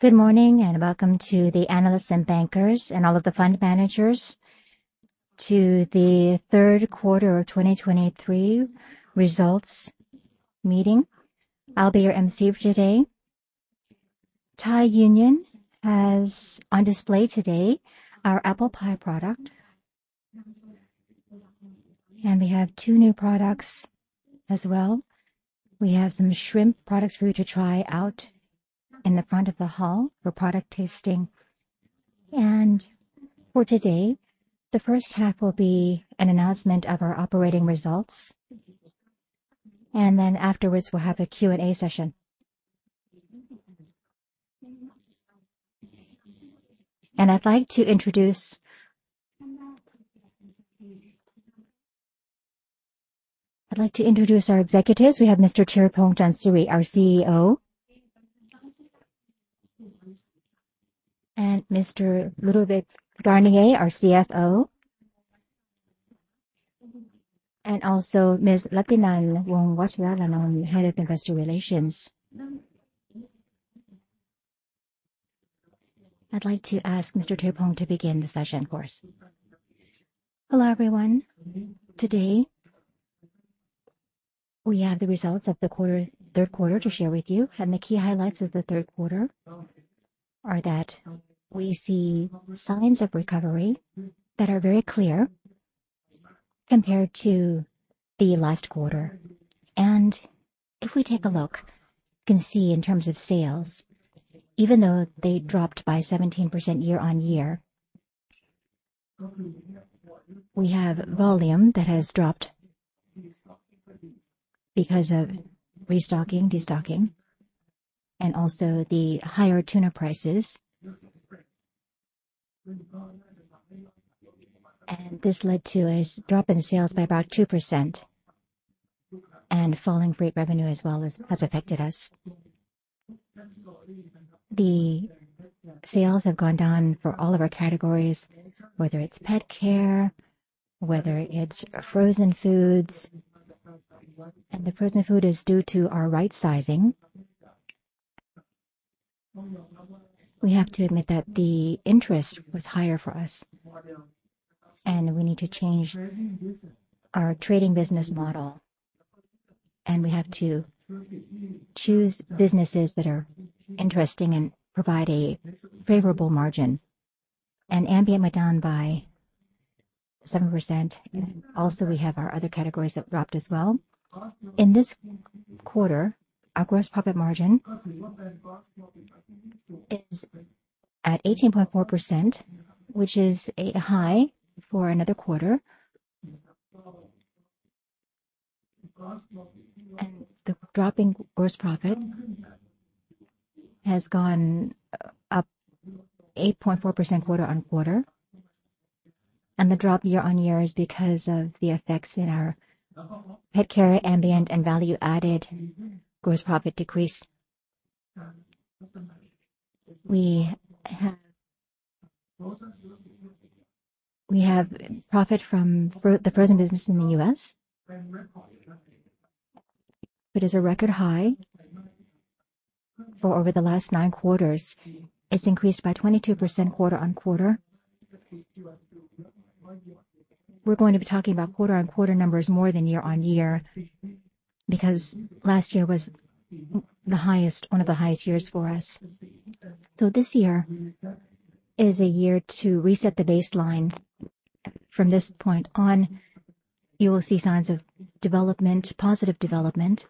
Good morning, and welcome to the analysts and bankers and all of the fund managers to the third quarter of 2023 results meeting. I'll be your MC for today. Thai Union has on display today our apple pie product. And we have 2 new products as well. We have some shrimp products for you to try out in the front of the hall for product tasting. And for today, the first half will be an announcement of our operating results, and then afterwards, we'll have a Q&A session. And I'd like to introduce, I'd like to introduce our executives. We have Mr. Thiraphong Chansiri, our CEO, and Mr. Ludovic Garnier, our CFO, and also Ms. Lattinun Wongwatthananon, Head of Investor Relations. I'd like to ask Mr. Thiraphong to begin the session, of course. Hello, everyone. Today, we have the results of the quarter, third quarter to share with you, and the key highlights of the third quarter are that we see signs of recovery that are very clear compared to the last quarter. If we take a look, you can see in terms of sales, even though they dropped by 17% year-on-year, we have volume that has dropped because of restocking, destocking, and also the higher tuna prices. And this led to a drop in sales by about 2% and falling freight revenue as well as, has affected us. The sales have gone down for all of our categories, whether it's PetCare, whether it's frozen foods, and the frozen food is due to our right-sizing. We have to admit that the interest was higher for us, and we need to change our trading business model, and we have to choose businesses that are interesting and provide a favorable margin. Ambient went down by 7%. Also, we have our other categories that dropped as well. In this quarter, our gross profit margin is at 18.4%, which is a high for another quarter. The drop in gross profit has gone up 8.4% quarter-on-quarter, and the drop year-on-year is because of the effects in our PetCare, Ambient, and value-added gross profit decrease. We have profit from the frozen business in the U.S. It is a record high for over the last 9 quarters. It's increased by 22% quarter-on-quarter. We're going to be talking about quarter-on-quarter numbers more than year-on-year, because last year was the highest, one of the highest years for us. So this year is a year to reset the baseline. From this point on, you will see signs of development, positive development.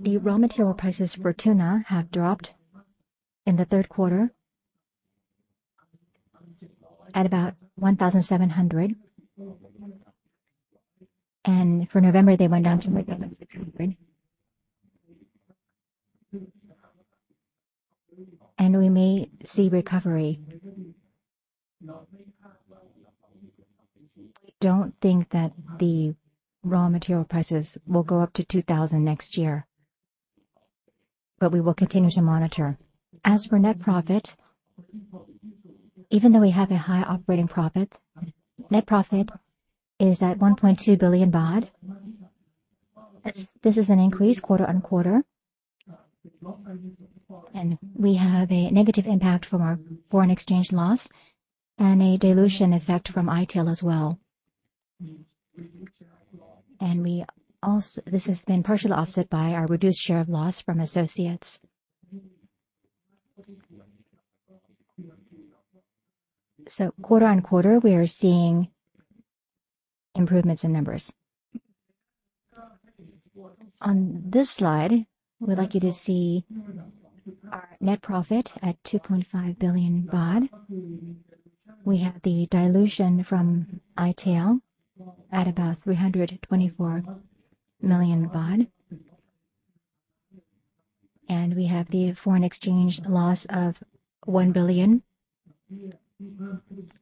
The raw material prices for tuna have dropped in the third quarter at about $1,700, and for November, they went down to $1,600. And we may see recovery. We don't think that the raw material prices will go up to $2,000 next year, but we will continue to monitor. As for net profit, even though we have a high operating profit, net profit is at 1.2 billion baht. This is an increase quarter-over-quarter, and we have a negative impact from our foreign exchange loss and a dilution effect from i-Tail as well. And we also, this has been partially offset by our reduced share of loss from associates. So quarter-over-quarter, we are seeing improvements in numbers. On this slide, we'd like you to see our net profit at 2.5 billion baht. We have the dilution from i-Tail at about 324 million baht, and we have the foreign exchange loss of 1 billion.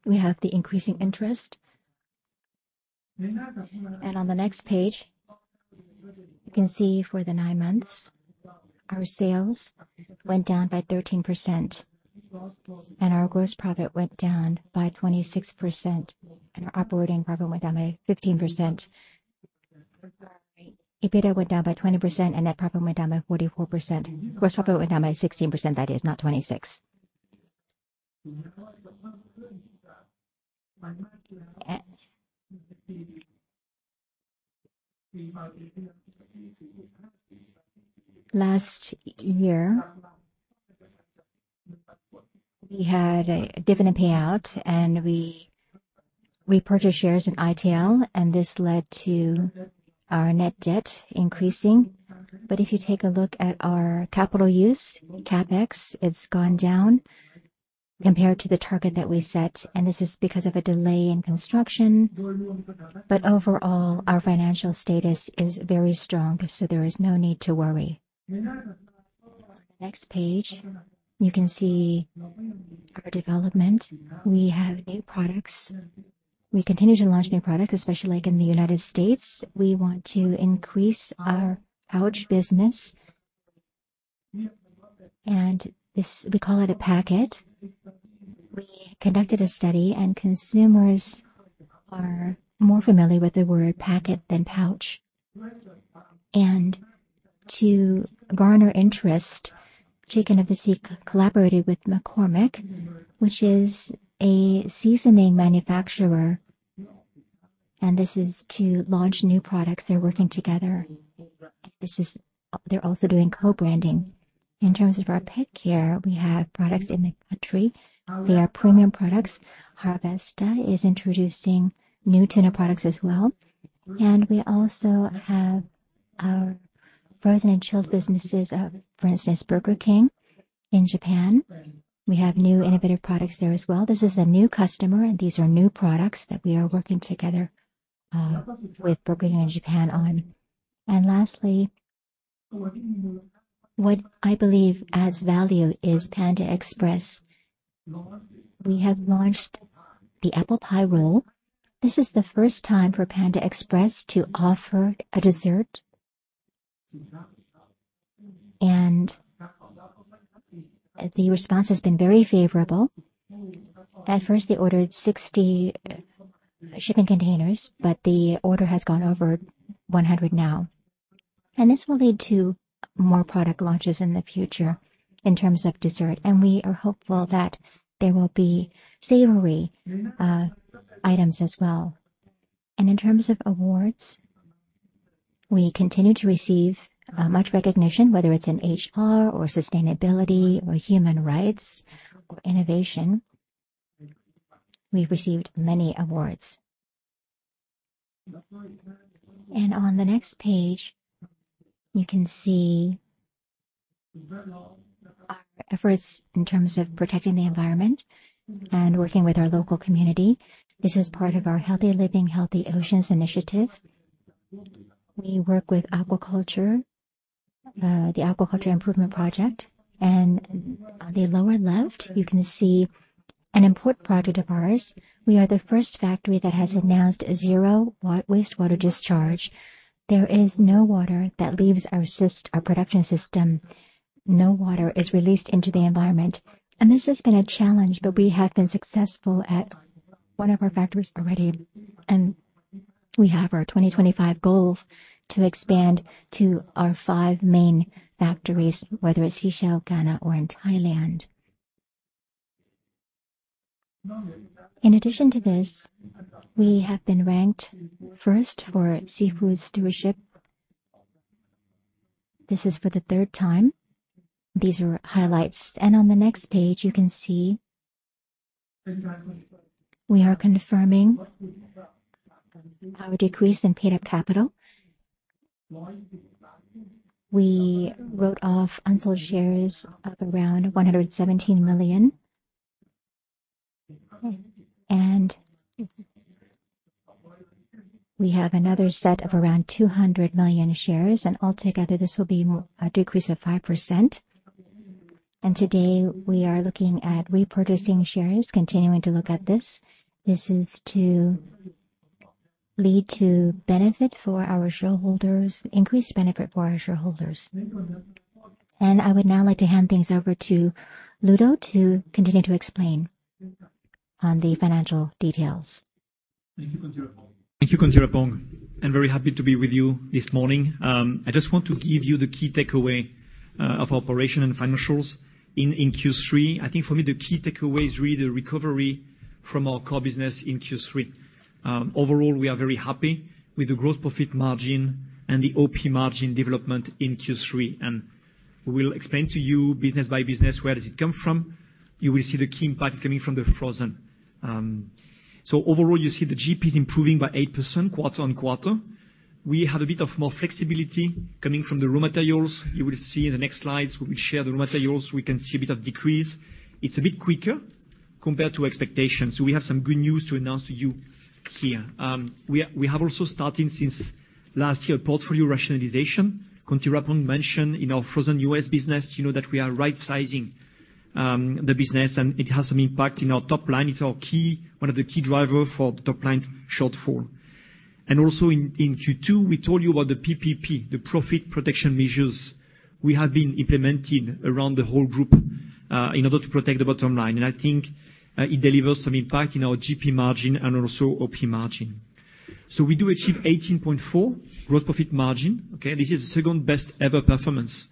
We have the increasing interest. And on the next page, you can see for the nine months, our sales went down by 13%, and our gross profit went down by 26%, and our operating profit went down by 15%. EBITDA went down by 20% and net profit went down by 44%. Gross profit went down by 16%, that is, not 26. Last year, we had a dividend payout, and we repurchased shares in i-Tail, and this led to our net debt increasing. But if you take a look at our capital use, CapEx, it's gone down compared to the target that we set, and this is because of a delay in construction. But overall, our financial status is very strong, so there is no need to worry. Next page, you can see our development. We have new products. We continue to launch new products, especially like in the United States. We want to increase our pouch business, and this, we call it a packet. We conducted a study, and consumers are more familiar with the word packet than pouch. To garner interest, Chicken of the Sea collaborated with McCormick, which is a seasoning manufacturer, and this is to launch new products. They're working together. They're also doing co-branding. In terms of our PetCare, we have products in the country. They are premium products. Hawesta is introducing new tuna products as well, and we also have our frozen and chilled businesses of, for instance, Burger King in Japan. We have new innovative products there as well. This is a new customer, and these are new products that we are working together with Burger King in Japan on. And lastly, what I believe adds value is Panda Express. We have launched the Apple Pie Roll. This is the first time for Panda Express to offer a dessert. And the response has been very favorable. At first, they ordered 60 shipping containers, but the order has gone over 100 now, and this will lead to more product launches in the future in terms of dessert. We are hopeful that there will be savory items as well. In terms of awards, we continue to receive much recognition, whether it's in HR or sustainability or human rights or innovation. We've received many awards. On the next page, you can see our efforts in terms of protecting the environment and working with our local community. This is part of our Healthy Living, Healthy Oceans initiative. We work with aquaculture, the Aquaculture Improvement Project, and on the lower left, you can see an important project of ours. We are the first factory that has announced zero wastewater discharge. There is no water that leaves our production system. No water is released into the environment, and this has been a challenge, but we have been successful at one of our factories already, and we have our 2025 goals to expand to our 5 main factories, whether it's in Ghana or in Thailand. In addition to this, we have been ranked first for seafood stewardship. This is for the third time. These are highlights. On the next page, you can see we are confirming our decrease in paid-up capital. We wrote off unsold shares of around 117 million. And we have another set of around 200 million shares, and altogether, this will be a decrease of 5%. And today, we are looking at repurchasing shares, continuing to look at this. This is to lead to benefit for our shareholders, increased benefit for our shareholders. I would now like to hand things over to Ludo to continue to explain on the financial details. Thank you, the business, and it has some impact in our top line. It's our key, one of the key driver for top-line shortfall. And also in Q2, we told you about the PPP, the profit protection measures we have been implementing around the whole group, in order to protect the bottom line. And I think, it delivers some impact in our GP margin and also OP margin. So we do achieve 18.4% gross profit margin, okay? This is the second-best ever performance,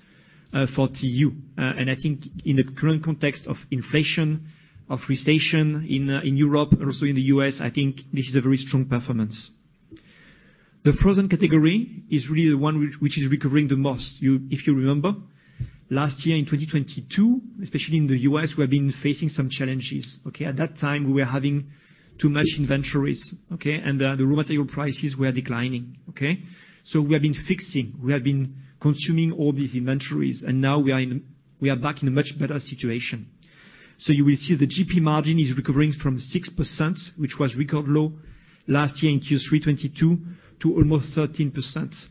for TU. And I think in the current context of inflation, of recession in Europe and also in the U.S., I think this is a very strong performance. The frozen category is really the one which is recovering the most. You, if you remember, last year in 2022, especially in the U.S., we have been facing some challenges, okay? At that time, we were having too much inventories, okay? And the raw material prices were declining, okay? So we have been fixing, we have been consuming all these inventories, and now we are back in a much better situation. So you will see the GP margin is recovering from 6%, which was record low last year in Q3 2022 to almost 13%,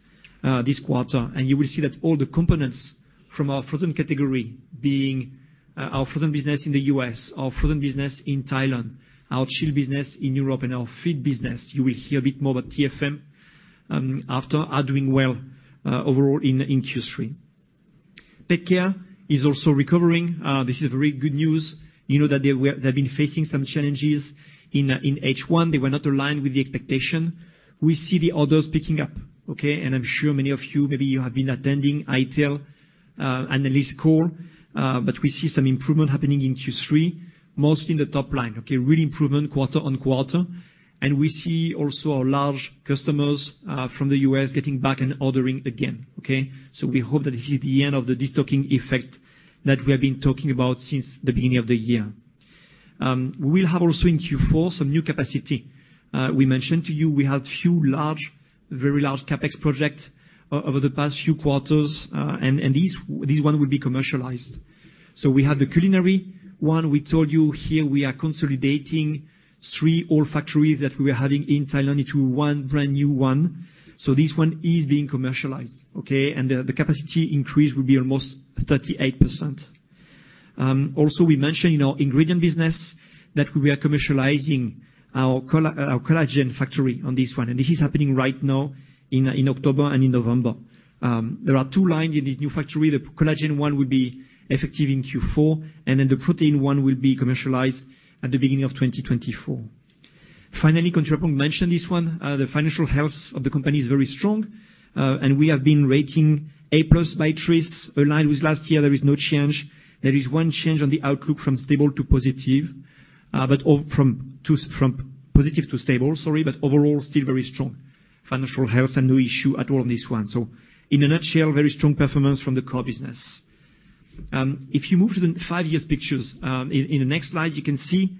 this quarter. You will see that all the components from our frozen category, being, our frozen business in the US, our frozen business in Thailand, our chilled business in Europe and our feed business, you will hear a bit more about TFM, after, are doing well, overall in Q3. Pet care is also recovering. This is very good news. You know that they were-- they've been facing some challenges in H1. They were not aligned with the expectation. We see the orders picking up, okay? I'm sure many of you, maybe you have been attending i-Tail, analyst call, but we see some improvement happening in Q3, mostly in the top line, okay? Really improvement quarter-on-quarter. We see also our large customers, from the US getting back and ordering again, okay? So we hope that this is the end of the destocking effect that we have been talking about since the beginning of the year. We will have also in Q4 some new capacity. We mentioned to you, we had few large, very large CapEx projects over the past few quarters, and these ones will be commercialized. So we had the culinary one. We told you here we are consolidating three old factories that we were having in Thailand into one brand-new one. So this one is being commercialized, okay? And the capacity increase will be almost 38%. Also, we mentioned in our ingredient business that we are commercializing our collagen factory on this one, and this is happening right now in October and in November. There are two lines in this new factory. The collagen one will be effective in Q4, and then the protein one will be commercialized at the beginning of 2024. Finally, Thiraphong mentioned this one, the financial health of the company is very strong, and we have been rated A+ by TRIS, aligned with last year, there is no change. There is one change on the outlook from stable to positive, but from positive to stable, sorry, but overall, still very strong financial health and no issue at all on this one. So in a nutshell, very strong performance from the core business. If you move to the five-year pictures, in the next slide, you can see.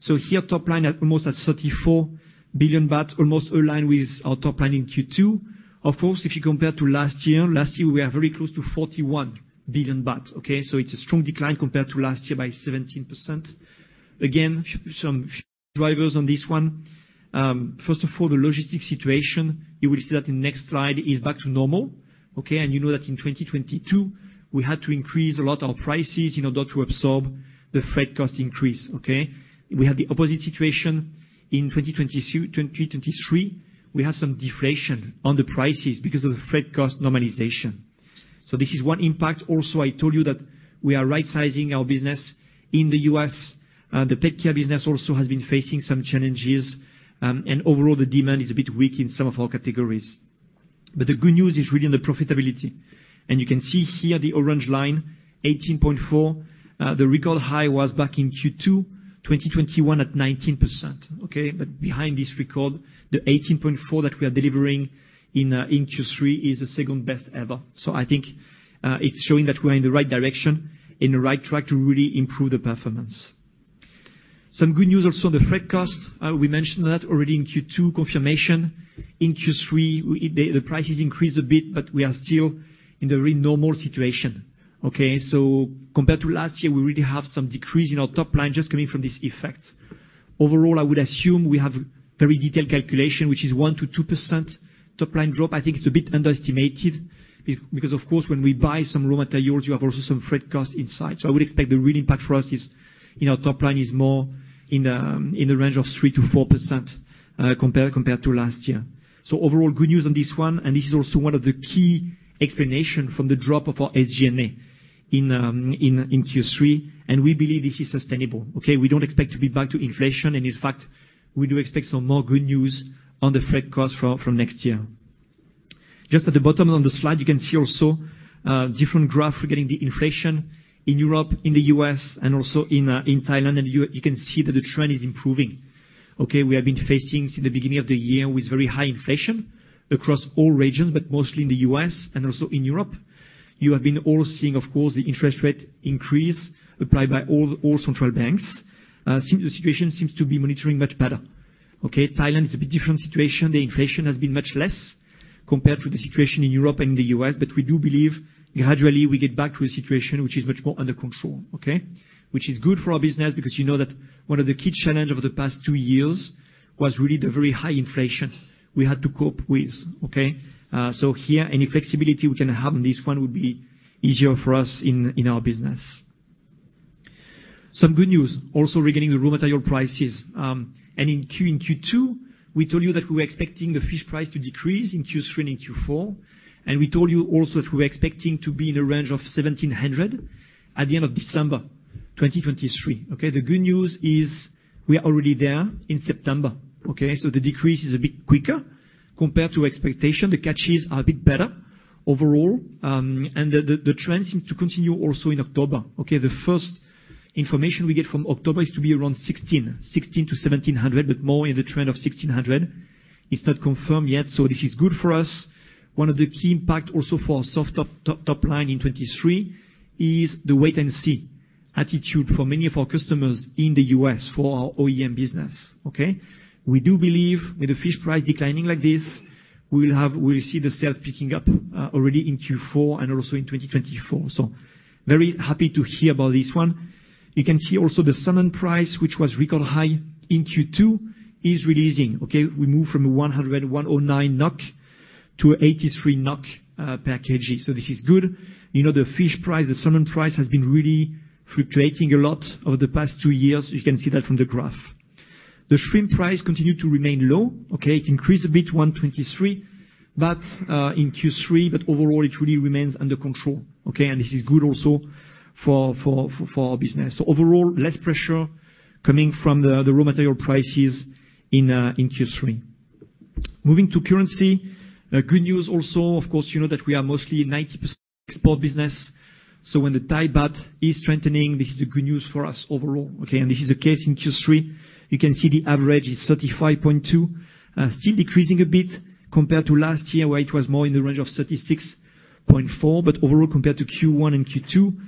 So here, top line at almost at 34 billion baht, almost aligned with our top line in Q2. Of course, if you compare to last year, last year, we are very close to 41 billion baht, okay? So it's a strong decline compared to last year by 17%. Again, some drivers on this one. First of all, the logistics situation, you will see that the next slide is back to normal, okay? And you know that in 2022, we had to increase a lot our prices in order to absorb the freight cost increase, okay? We had the opposite situation in 2022, 2023. We have some deflation on the prices because of the freight cost normalization. So this is one impact. Also, I told you that we are right-sizing our business in the U.S., the PetCare business also has been facing some challenges, and overall, the demand is a bit weak in some of our categories. But the good news is really in the profitability. And you can see here the orange line, 18.4. The record high was back in Q2 2021 at 19%, okay? But behind this record, the 18.4 that we are delivering in Q3 is the second best ever. So I think it's showing that we're in the right direction, in the right track to really improve the performance. Some good news also on the freight cost. We mentioned that already in Q2, confirmation. In Q3, the prices increased a bit, but we are still in the very normal situation, okay? So compared to last year, we really have some decrease in our top line just coming from this effect. Overall, I would assume we have very detailed calculation, which is 1%-2% top line drop. I think it's a bit underestimated because, of course, when we buy some raw materials, you have also some freight cost inside. So I would expect the real impact for us is, in our top line, is more in the range of 3%-4%, compared to last year. So overall, good news on this one, and this is also one of the key explanation from the drop of our SG&A in Q3. We believe this is sustainable, okay? We don't expect to be back to inflation, and in fact, we do expect some more good news on the freight cost from next year. Just at the bottom of the slide, you can see also different graph regarding the inflation in Europe, in the U.S., and also in Thailand, and you can see that the trend is improving. Okay, we have been facing since the beginning of the year with very high inflation across all regions, but mostly in the U.S. and also in Europe. You have all been seeing, of course, the interest rate increase applied by all central banks. Since the situation seems to be moderating much better. Okay, Thailand is a bit different situation. The inflation has been much less compared to the situation in Europe and in the U.S., but we do believe gradually we get back to a situation which is much more under control, okay? Which is good for our business, because you know that one of the key challenge over the past two years was really the very high inflation we had to cope with, okay? So here, any flexibility we can have on this one would be easier for us in our business. Some good news, also regarding the raw material prices, and in Q2, we told you that we were expecting the fish price to decrease in Q3 and in Q4, and we told you also that we're expecting to be in a range of 1,700 at the end of December 2023. Okay, the good news is we are already there in September, okay? So the decrease is a bit quicker compared to expectation. The catches are a bit better overall, and the trend seem to continue also in October, okay? The first information we get from October is to be around 1,600-1,700, but more in the trend of 1,600. It's not confirmed yet, so this is good for us. One of the key impact also for our top line in 2023 is the wait-and-see attitude for many of our customers in the U.S. for our OEM business, okay? We do believe with the fish price declining like this, we will see the sales picking up already in Q4 and also in 2024. So very happy to hear about this one. You can see also the salmon price, which was record high in Q2, is releasing, okay? We moved from 109 NOK to 83 NOK per kg, so this is good. You know, the fish price, the salmon price, has been really fluctuating a lot over the past two years. You can see that from the graph. The shrimp price continued to remain low, okay? It increased a bit to 123, but in Q3, but overall, it really remains under control, okay? And this is good also for our business. So overall, less pressure coming from the raw material prices in Q3. Moving to currency, good news also, of course, you know that we are mostly 90% export business, so when the Thai baht is strengthening, this is good news for us overall, okay? And this is the case in Q3. You can see the average is 35.2, still decreasing a bit compared to last year, where it was more in the range of 36.4. But overall, compared to Q1 and Q2,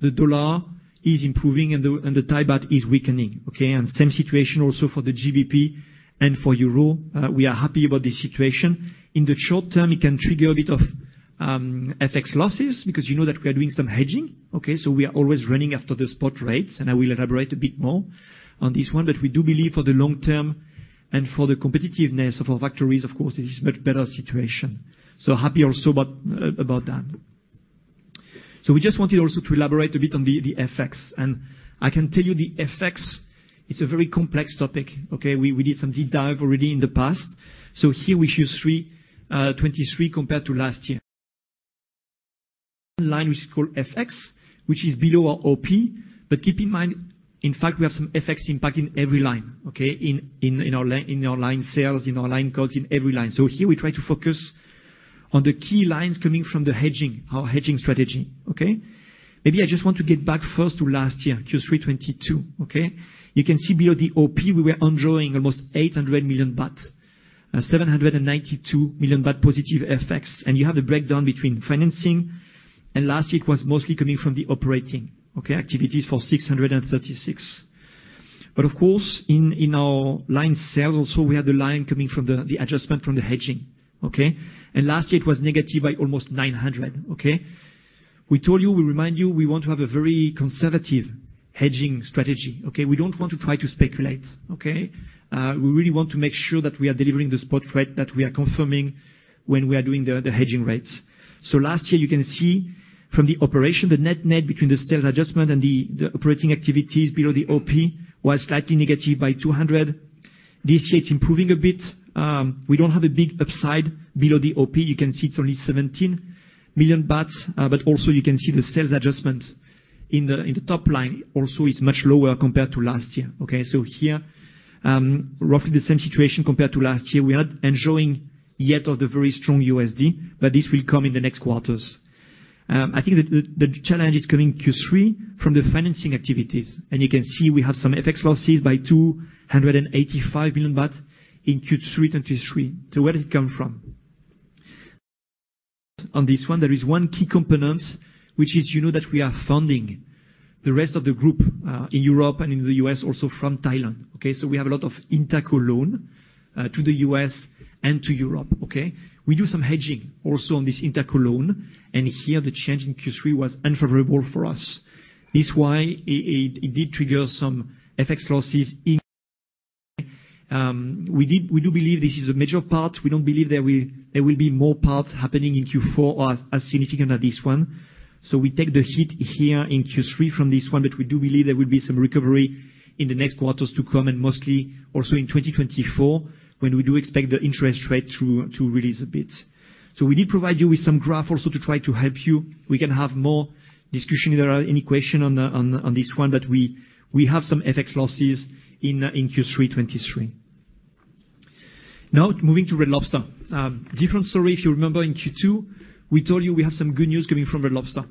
the dollar is improving and the Thai baht is weakening, okay? And same situation also for the GBP and for Euro. We are happy about this situation. In the short term, it can trigger a bit of FX losses, because you know that we are doing some hedging, okay? So we are always running after the spot rates, and I will elaborate a bit more on this one, but we do believe for the long term and for the competitiveness of our factories, of course, this is much better situation. So happy also about that. So we just wanted also to elaborate a bit on the FX, and I can tell you the FX, it's a very complex topic, okay? We did some deep dive already in the past. So here we choose Q3 2023 compared to last year. Line, which is called FX, which is below our OP. But keep in mind, in fact, we have some FX impact in every line, okay? In our line sales, in our line costs, in every line. So here we try to focus on the key lines coming from the hedging, our hedging strategy, okay? Maybe I just want to get back first to last year, Q3 2022, okay? You can see below the OP, we were enjoying almost 800 million baht, seven hundred and ninety-two million baht positive FX. And you have the breakdown between financing, and last year it was mostly coming from the operating, okay? Activities for 636. But of course, in our line sales also, we had the line coming from the adjustment from the hedging, okay? And last year it was negative by almost 900, okay? We told you, we remind you, we want to have a very conservative hedging strategy, okay? We don't want to try to speculate, okay? We really want to make sure that we are delivering the spot rate, that we are confirming when we are doing the hedging rates. So last year, you can see from the operation, the net-net between the sales adjustment and the operating activities below the OP was slightly negative by 200. This year, it's improving a bit. We don't have a big upside below the OP. You can see it's only 17 million baht, but also you can see the sales adjustment in the top line also is much lower compared to last year, okay? So here, roughly the same situation compared to last year. We are not enjoying yet of the very strong USD, but this will come in the next quarters. I think the challenge is coming Q3 from the financing activities, and you can see we have some FX losses by 285 million baht in Q3 2023. So where does it come from? On this one, there is one key component, which is, you know that we are funding the rest of the group in Europe and in the U.S., also from Thailand, okay? So we have a lot of intercompany loans to the U.S. and to Europe, okay? We do some hedging also on this intra-company loan, and here the change in Q3 was unfavorable for us. This is why it did trigger some FX losses in... We do believe this is a major part. We don't believe there will be more parts happening in Q4 or as significant as this one. So we take the hit here in Q3 from this one, but we do believe there will be some recovery in the next quarters to come, and mostly also in 2024, when we do expect the interest rate to release a bit. So we did provide you with some graph also to try to help you. We can have more discussion if there are any question on this one, but we have some FX losses in Q3 2023. Now, moving to Red Lobster. Different story. If you remember in Q2, we told you we have some good news coming from Red Lobster,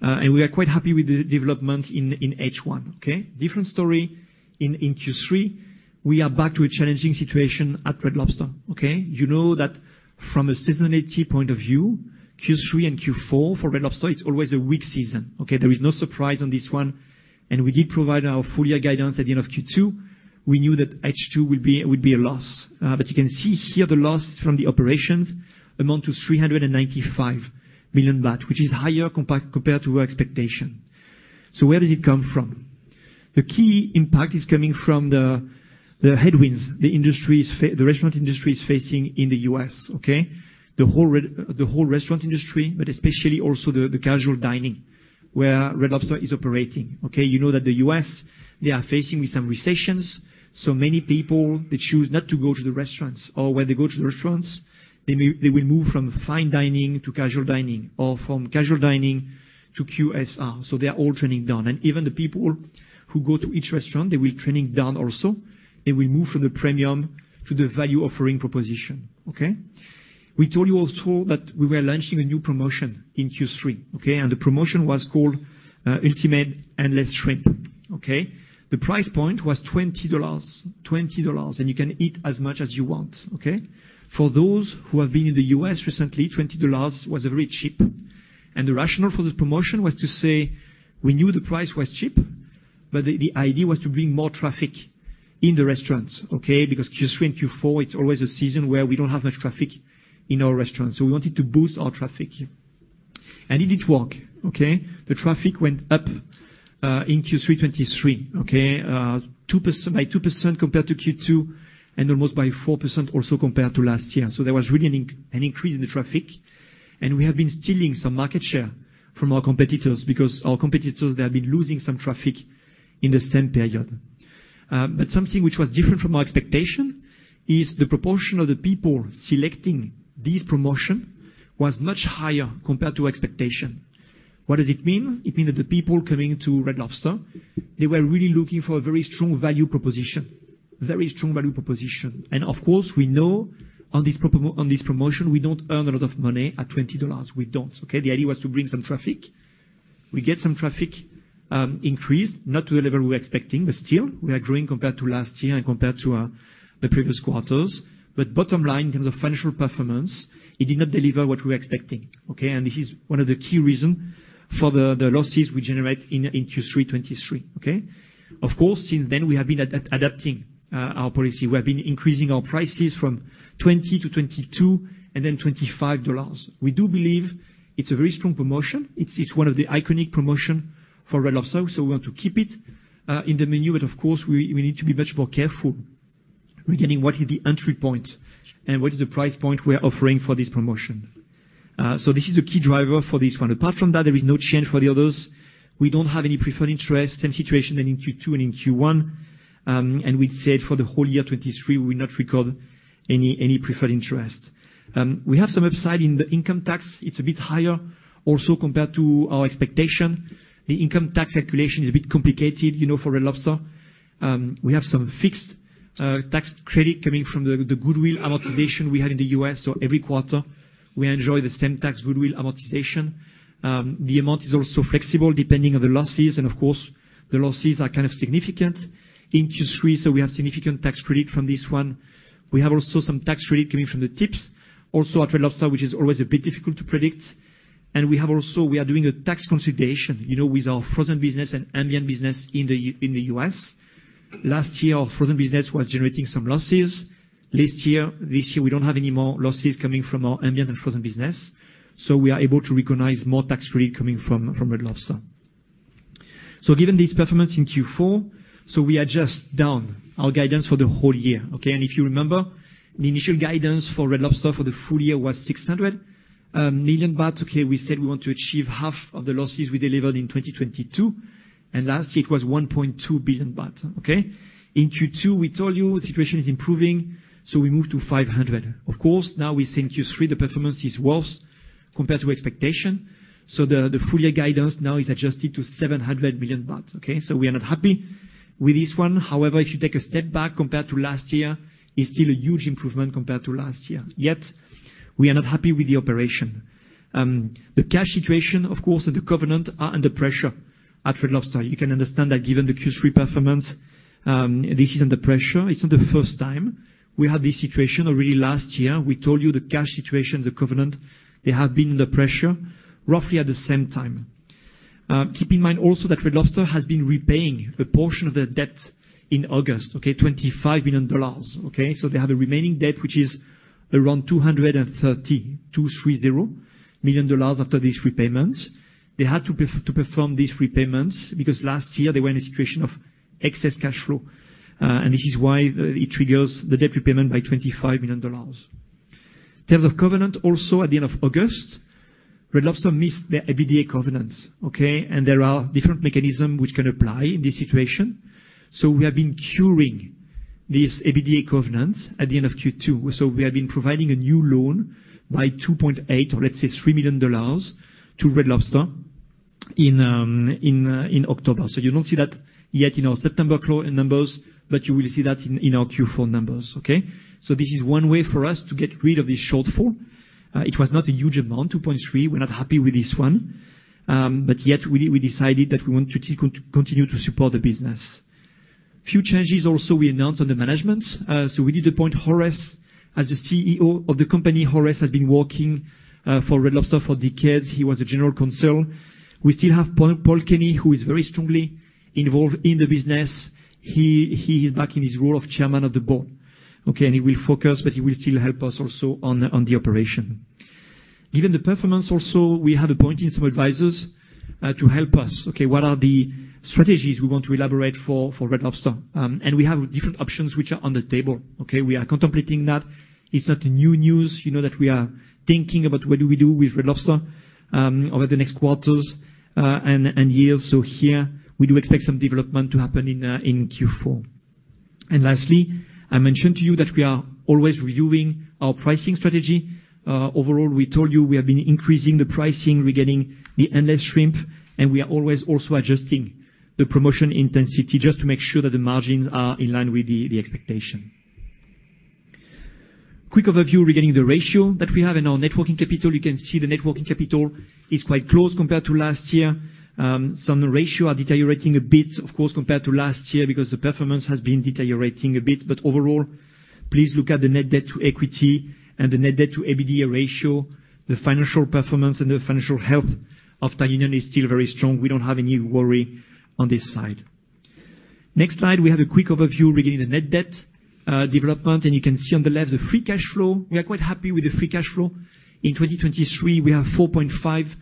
and we are quite happy with the development in, in H1, okay? Different story in, in Q3. We are back to a challenging situation at Red Lobster, okay? You know that from a seasonality point of view, Q3 and Q4 for Red Lobster, it's always a weak season, okay? There is no surprise on this one, and we did provide our full year guidance at the end of Q2. We knew that H2 will be, will be a loss, but you can see here the loss from the operations amount to 395 million baht, which is higher compared to our expectation. So where does it come from? The key impact is coming from the headwinds the restaurant industry is facing in the U.S., okay? The whole restaurant industry, but especially also the casual dining, where Red Lobster is operating, okay? You know that the U.S., they are facing with some recessions, so many people, they choose not to go to the restaurants or when they go to the restaurants, they will move from fine dining to casual dining or from casual dining to QSR. So they are all trending down. And even the people who go to each restaurant, they will trending down also. They will move from the premium to the value offering proposition, okay?... We told you also that we were launching a new promotion in Q3, okay? And the promotion was called Ultimate Endless Shrimp, okay? The price point was $20, $20, and you can eat as much as you want, okay? For those who have been in the US recently, $20 was a very cheap. The rationale for this promotion was to say, we knew the price was cheap, but the, the idea was to bring more traffic in the restaurants, okay? Because Q3 and Q4, it's always a season where we don't have much traffic in our restaurants, so we wanted to boost our traffic. It did work, okay? The traffic went up in Q3 2023, okay, 2% by 2% compared to Q2, and almost by 4% also compared to last year. So there was really an increase in the traffic, and we have been stealing some market share from our competitors, because our competitors, they have been losing some traffic in the same period. But something which was different from our expectation is the proportion of the people selecting this promotion was much higher compared to expectation. What does it mean? It means that the people coming to Red Lobster, they were really looking for a very strong value proposition, very strong value proposition. And of course, we know on this promotion, we don't earn a lot of money at $20. We don't, okay? The idea was to bring some traffic. We get some traffic, increase, not to the level we're expecting, but still, we are growing compared to last year and compared to the previous quarters. But bottom line, in terms of financial performance, it did not deliver what we were expecting, okay? And this is one of the key reason for the losses we generate in Q3 2023, okay? Of course, since then, we have been adapting our policy. We have been increasing our prices from $20 to $22 and then $25. We do believe it's a very strong promotion. It's one of the iconic promotion for Red Lobster, so we want to keep it in the menu, but of course, we need to be much more careful regarding what is the entry point and what is the price point we are offering for this promotion. So this is the key driver for this one. Apart from that, there is no change for the others. We don't have any preferred interest, same situation than in Q2 and in Q1. And we'd said for the whole year, 2023, we will not record any preferred interest. We have some upside in the income tax. It's a bit higher also compared to our expectation. The income tax calculation is a bit complicated, you know, for Red Lobster. We have some fixed tax credit coming from the goodwill amortization we had in the U.S., so every quarter, we enjoy the same tax goodwill amortization. The amount is also flexible, depending on the losses, and of course, the losses are kind of significant in Q3, so we have significant tax credit from this one. We have also some tax credit coming from the tips. Also, at Red Lobster, which is always a bit difficult to predict. We have also, we are doing a tax consolidation, you know, with our frozen business and ambient business in the U.S. Last year, our frozen business was generating some losses. This year, we don't have any more losses coming from our ambient and frozen business, so we are able to recognize more tax credit coming from Red Lobster. Given this performance in Q4, we adjust down our guidance for the whole year, okay? If you remember, the initial guidance for Red Lobster for the full year was 600 million baht, okay? We said we want to achieve half of the losses we delivered in 2022, and last year it was 1.2 billion baht, okay? In Q2, we told you the situation is improving, so we moved to 500 million. Of course, now we're in Q3, the performance is worse compared to expectation, so the full year guidance now is adjusted to 700 million baht, okay? So we are not happy with this one. However, if you take a step back, compared to last year, it's still a huge improvement compared to last year. Yet, we are not happy with the operation. The cash situation, of course, and the covenant are under pressure at Red Lobster. You can understand that given the Q3 performance, this is under pressure. It's not the first time. We had this situation already last year. We told you the cash situation, the covenant, they have been under pressure roughly at the same time. Keep in mind also that Red Lobster has been repaying a portion of their debt in August, okay? $25 billion, okay? So they have a remaining debt, which is around $230 million after these repayments. They had to perform these repayments because last year they were in a situation of excess cash flow, and this is why it triggers the debt repayment by $25 million. In terms of covenant, also, at the end of August, Red Lobster missed their EBITDA covenants, okay? And there are different mechanism which can apply in this situation. So we have been curing this EBITDA covenant at the end of Q2. So we have been providing a new loan by $2.8, or let's say $3 million, to Red Lobster in October. So you don't see that yet in our September flow in numbers, but you will see that in our Q4 numbers, okay? So this is one way for us to get rid of this shortfall. It was not a huge amount, $2.3. We're not happy with this one, but yet we decided that we want to continue to support the business. Few changes also we announced on the management. So we did appoint Horace as the CEO of the company. Horace has been working for Red Lobster for decades. He was a General Counsel. We still have Paul Kenny, who is very strongly involved in the business. He is back in his role of Chairman of the Board, okay? And he will focus, but he will still help us also on the operation. Given the performance also, we have appointed some advisors to help us. Okay, what are the strategies we want to elaborate for Red Lobster? And we have different options which are on the table. Okay, we are contemplating that. It's not a new news, you know that we are thinking about what do we do with Red Lobster, over the next quarters, and, and years. So here, we do expect some development to happen in, in Q4. And lastly, I mentioned to you that we are always reviewing our pricing strategy. Overall, we told you we have been increasing the pricing, we're getting the Endless Shrimp, and we are always also adjusting the promotion intensity just to make sure that the margins are in line with the, the expectation. Quick overview regarding the ratio that we have in our net working capital. You can see the net working capital is quite close compared to last year. Some ratios are deteriorating a bit, of course, compared to last year, because the performance has been deteriorating a bit. But overall, please look at the net debt to equity and the net debt to EBITDA ratio. The financial performance and the financial health of Thai Union is still very strong. We don't have any worry on this side. Next slide, we have a quick overview regarding the net debt development, and you can see on the left, the free cash flow. We are quite happy with the free cash flow. In 2023, we have 4.5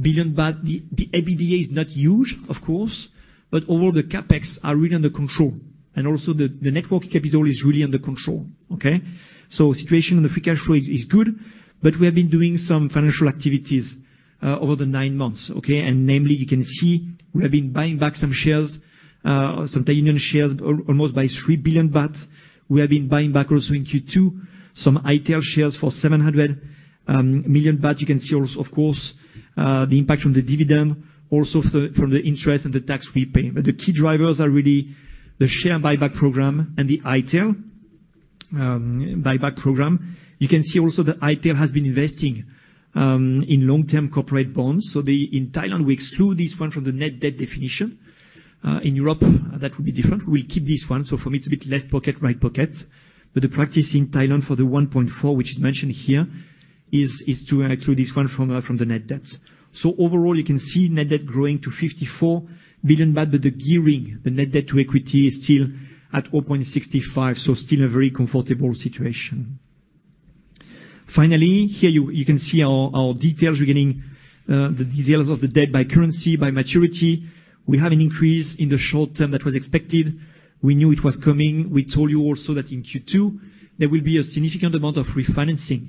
billion, but the EBITDA is not huge, of course, but overall, the CapEx are really under control, and also the net working capital is really under control. Okay? So situation on the free cash flow is good, but we have been doing some financial activities over the nine months, okay? And namely, you can see we have been buying back some shares, some Thai Union shares, almost by 3 billion baht. We have been buying back also in Q2, some i-Tail shares for 700 million baht. You can see also, of course, the impact from the dividend, also from the, from the interest and the tax we pay. But the key drivers are really the share buyback program and the i-Tail buyback program. You can see also that i-Tail has been investing in long-term corporate bonds. So in Thailand, we exclude this one from the net debt definition. In Europe, that would be different. We'll keep this one, so for me, it's a bit left pocket, right pocket. But the practice in Thailand for the 1.4, which is mentioned here, is to include this one from the net debt. So overall, you can see net debt growing to 54 billion baht, but the gearing, the net debt to equity, is still at 0.65, so still a very comfortable situation. Finally, here you can see our details regarding the details of the debt by currency, by maturity. We have an increase in the short term that was expected. We knew it was coming. We told you also that in Q2 there will be a significant amount of refinancing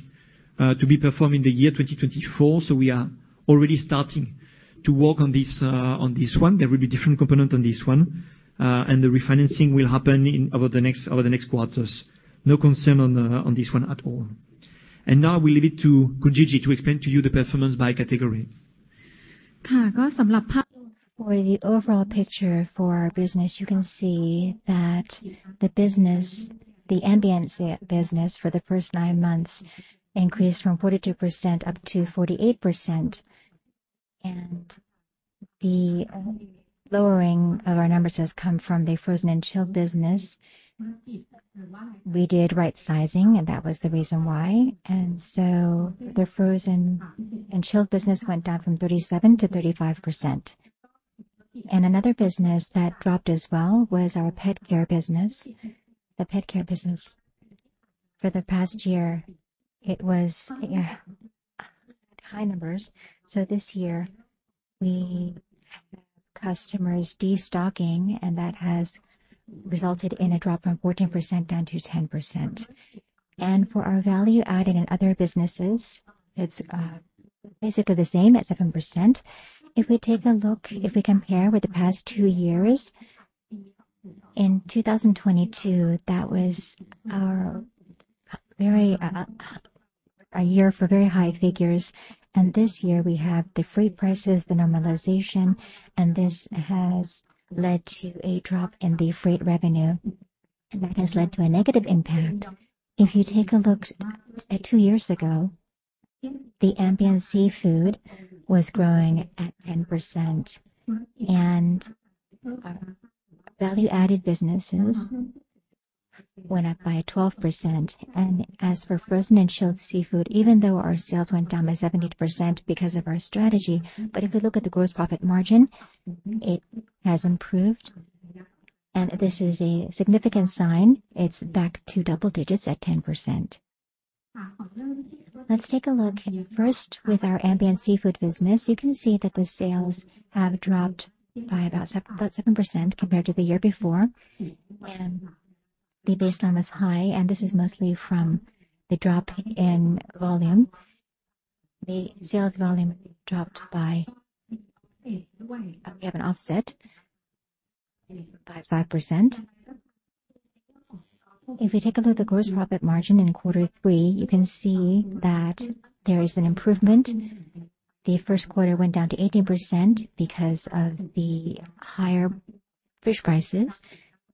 to be performed in the year 2024. So we are already starting to work on this, on this one. There will be different component on this one, and the refinancing will happen in over the next quarters. No concern on this one at all. And now we leave it to Khun Gigi to explain to you the performance by category. For the overall picture for our business, you can see that the business, the ambient seafood business for the first nine months increased from 42%-48%, and the lowering of our numbers has come from the frozen and chilled business. We did right-sizing, and that was the reason why, and so the frozen and chilled business went down from 37%-35%. Another business that dropped as well was our PetCare business. The PetCare business for the past year, it was high numbers, so this year we have customers destocking, and that has resulted in a drop from 14%-10%. For our value-added in other businesses, it's basically the same at 7%. If we take a look, if we compare with the past two years, in 2022, that was our very a year for very high figures, and this year we have the freight prices, the normalization, and this has led to a drop in the freight revenue, and that has led to a negative impact. If you take a look at two years ago, the Ambient seafood was growing at 10%, and our value-added businesses went up by 12%. As for frozen and chilled seafood, even though our sales went down by 17% because of our strategy, but if you look at the gross profit margin, it has improved, and this is a significant sign. It's back to double digits at 10%. Let's take a look first with our Ambient seafood business. You can see that the sales have dropped by about 7% compared to the year before, and the baseline was high, and this is mostly from the drop in volume. The sales volume dropped by. We have an offset by 5%. If we take a look at the gross profit margin in quarter three, you can see that there is an improvement. The first quarter went down to 18% because of the higher fish prices,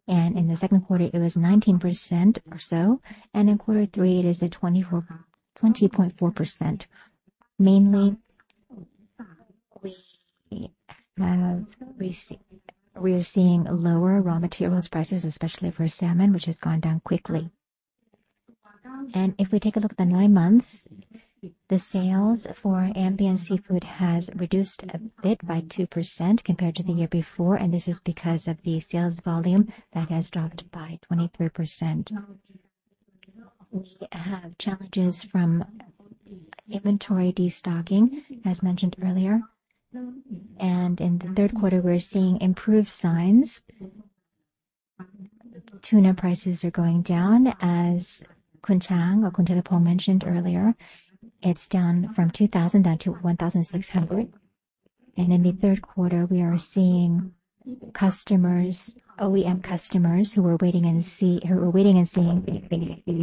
and in the second quarter it was 19% or so, and in quarter three, it is at 24, 20.4%. Mainly, we have, we see we are seeing lower raw materials prices, especially for salmon, which has gone down quickly. If we take a look at the nine months, the sales for ambient seafood has reduced a bit, by 2% compared to the year before, and this is because of the sales volume that has dropped by 23%. We have challenges from inventory destocking, as mentioned earlier, and in the third quarter, we're seeing improved signs. Tuna prices are going down, as Khun Chang or Khun Thiraphong mentioned earlier. It's down from $2,000 to $1,600, and in the third quarter, we are seeing customers, OEM customers, who were waiting and seeing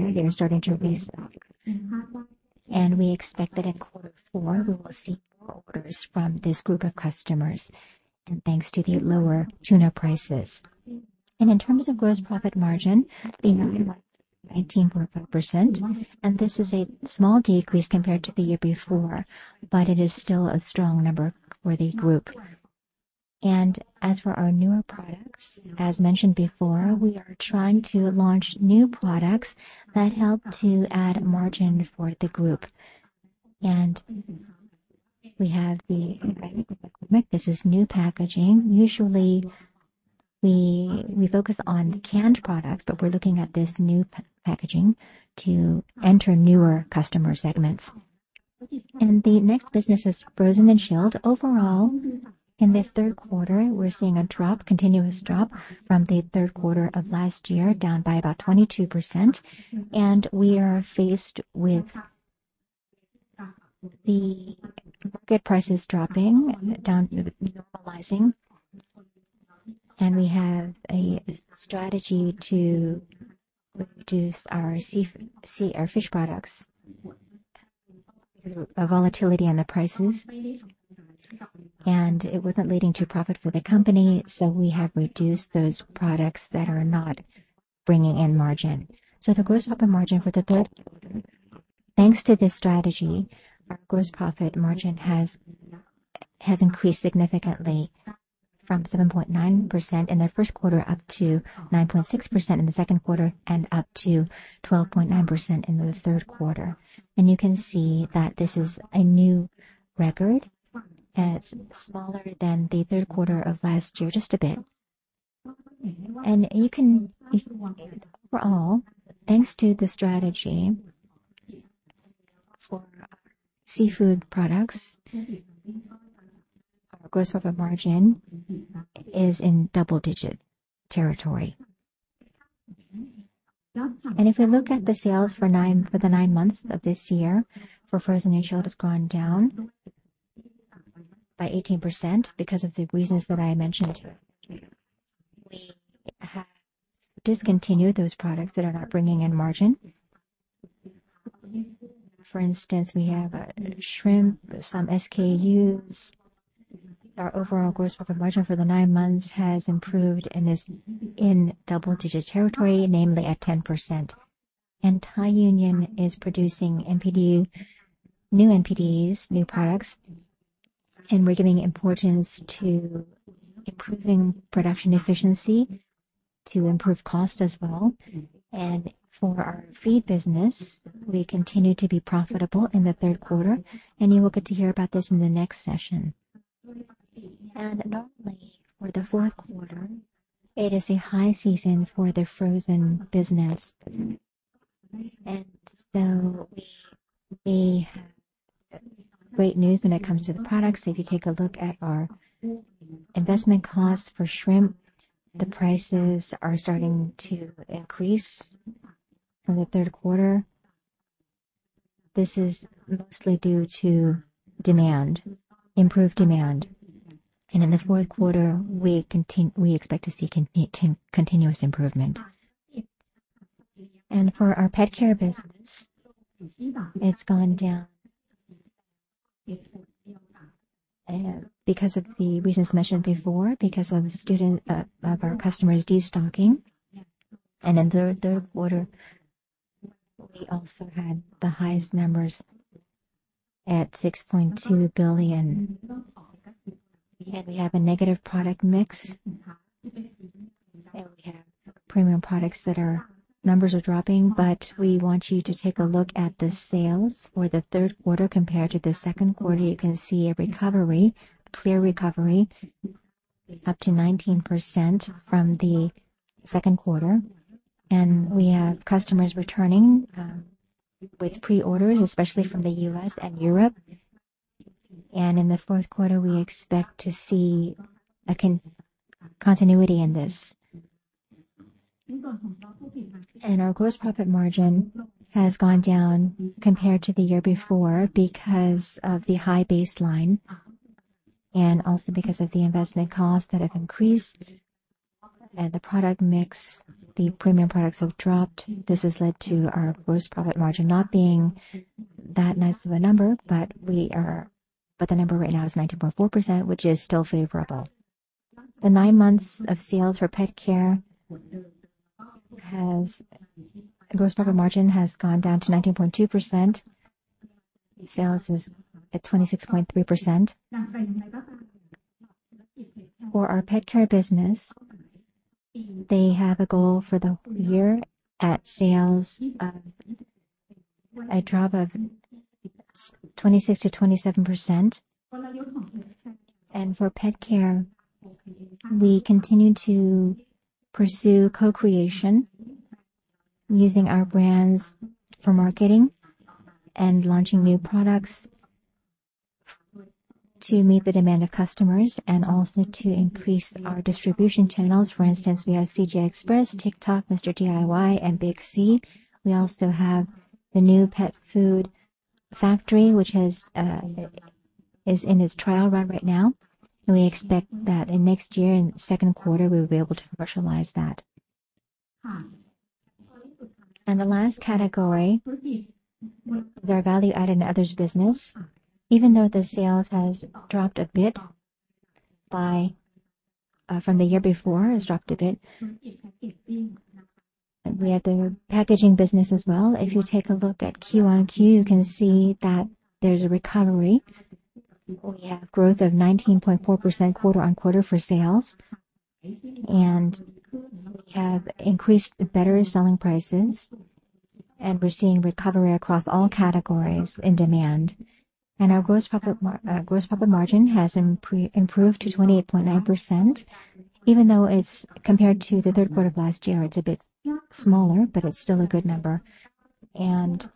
they're starting to restock. We expect that in quarter four, we will see more orders from this group of customers, and thanks to the lower tuna prices. In terms of gross profit margin, the 19.5%, and this is a small decrease compared to the year before, but it is still a strong number for the group. As for our newer products, as mentioned before, we are trying to launch new products that help to add margin for the group. We have the; this is new packaging. Usually, we focus on canned products, but we're looking at this new packaging to enter newer customer segments. The next business is frozen and chilled. Overall, in the third quarter, we're seeing a drop, continuous drop from the third quarter of last year, down by about 22%, and we are faced with the market prices dropping down, normalizing, and we have a strategy to reduce our seafood. Our fish products. Because of a volatility in the prices, and it wasn't leading to profit for the company, so we have reduced those products that are not bringing in margin. So the gross profit margin for the third quarter, thanks to this strategy, our gross profit margin has increased significantly from 7.9% in the first quarter, up to 9.6% in the second quarter, and up to 12.9% in the third quarter. And you can see that this is a new record. It's smaller than the third quarter of last year, just a bit. Overall, thanks to the strategy for our seafood products, our gross profit margin is in double-digit territory. If we look at the sales for 9, for the 9 months of this year, for frozen and chilled, it's gone down by 18% because of the reasons that I mentioned. We have discontinued those products that are not bringing in margin. For instance, we have shrimp, some SKUs. Our overall gross profit margin for the 9 months has improved and is in double-digit territory, namely at 10%. Thai Union is producing NPD, new NPDs, new products, and we're giving importance to improving production efficiency to improve cost as well. For our feed business, we continue to be profitable in the third quarter, and you will get to hear about this in the next session. Normally, for the fourth quarter, it is a high season for the frozen business, and so we have great news when it comes to the products. If you take a look at our investment costs for shrimp, the prices are starting to increase from the third quarter. This is mostly due to demand, improved demand, and in the fourth quarter, we expect to see continuous improvement. For our PetCare business, it's gone down because of the reasons mentioned before, because of the destocking of our customers. In the third quarter, we also had the highest numbers at 6.2 billion. And we have a negative product mix, and we have premium products that are numbers are dropping, but we want you to take a look at the sales for the third quarter compared to the second quarter. You can see a recovery, a clear recovery, up to 19% from the second quarter, and we have customers returning with pre-orders, especially from the US and Europe. In the fourth quarter, we expect to see a continuity in this. Our gross profit margin has gone down compared to the year before because of the high baseline and also because of the investment costs that have increased, and the product mix, the premium products have dropped. This has led to our gross profit margin not being that nice of a number, but the number right now is 19.4%, which is still favorable. The nine months of sales for PetCare has... The gross profit margin has gone down to 19.2%. Sales is at 26.3%. For our PetCare business, they have a goal for the year at sales of a drop of 26%-27%. For PetCare, we continue to pursue co-creation using our brands for marketing and launching new products to meet the demand of customers and also to increase our distribution channels. For instance, we have CJ Express, TikTok, MR. D.I.Y., and Big C. We also have the new pet food factory, which is in its trial run right now, and we expect that in next year, in the second quarter, we will be able to commercialize that. And the last category, their value-added and others business. Even though the sales has dropped a bit by from the year before, it's dropped a bit. We have the packaging business as well. If you take a look at Q on Q, you can see that there's a recovery. We have growth of 19.4% quarter-on-quarter for sales, and we have increased the better selling prices, and we're seeing recovery across all categories in demand. Our gross profit margin has improved to 28.9%. Even though it's compared to the third quarter of last year, it's a bit smaller, but it's still a good number. The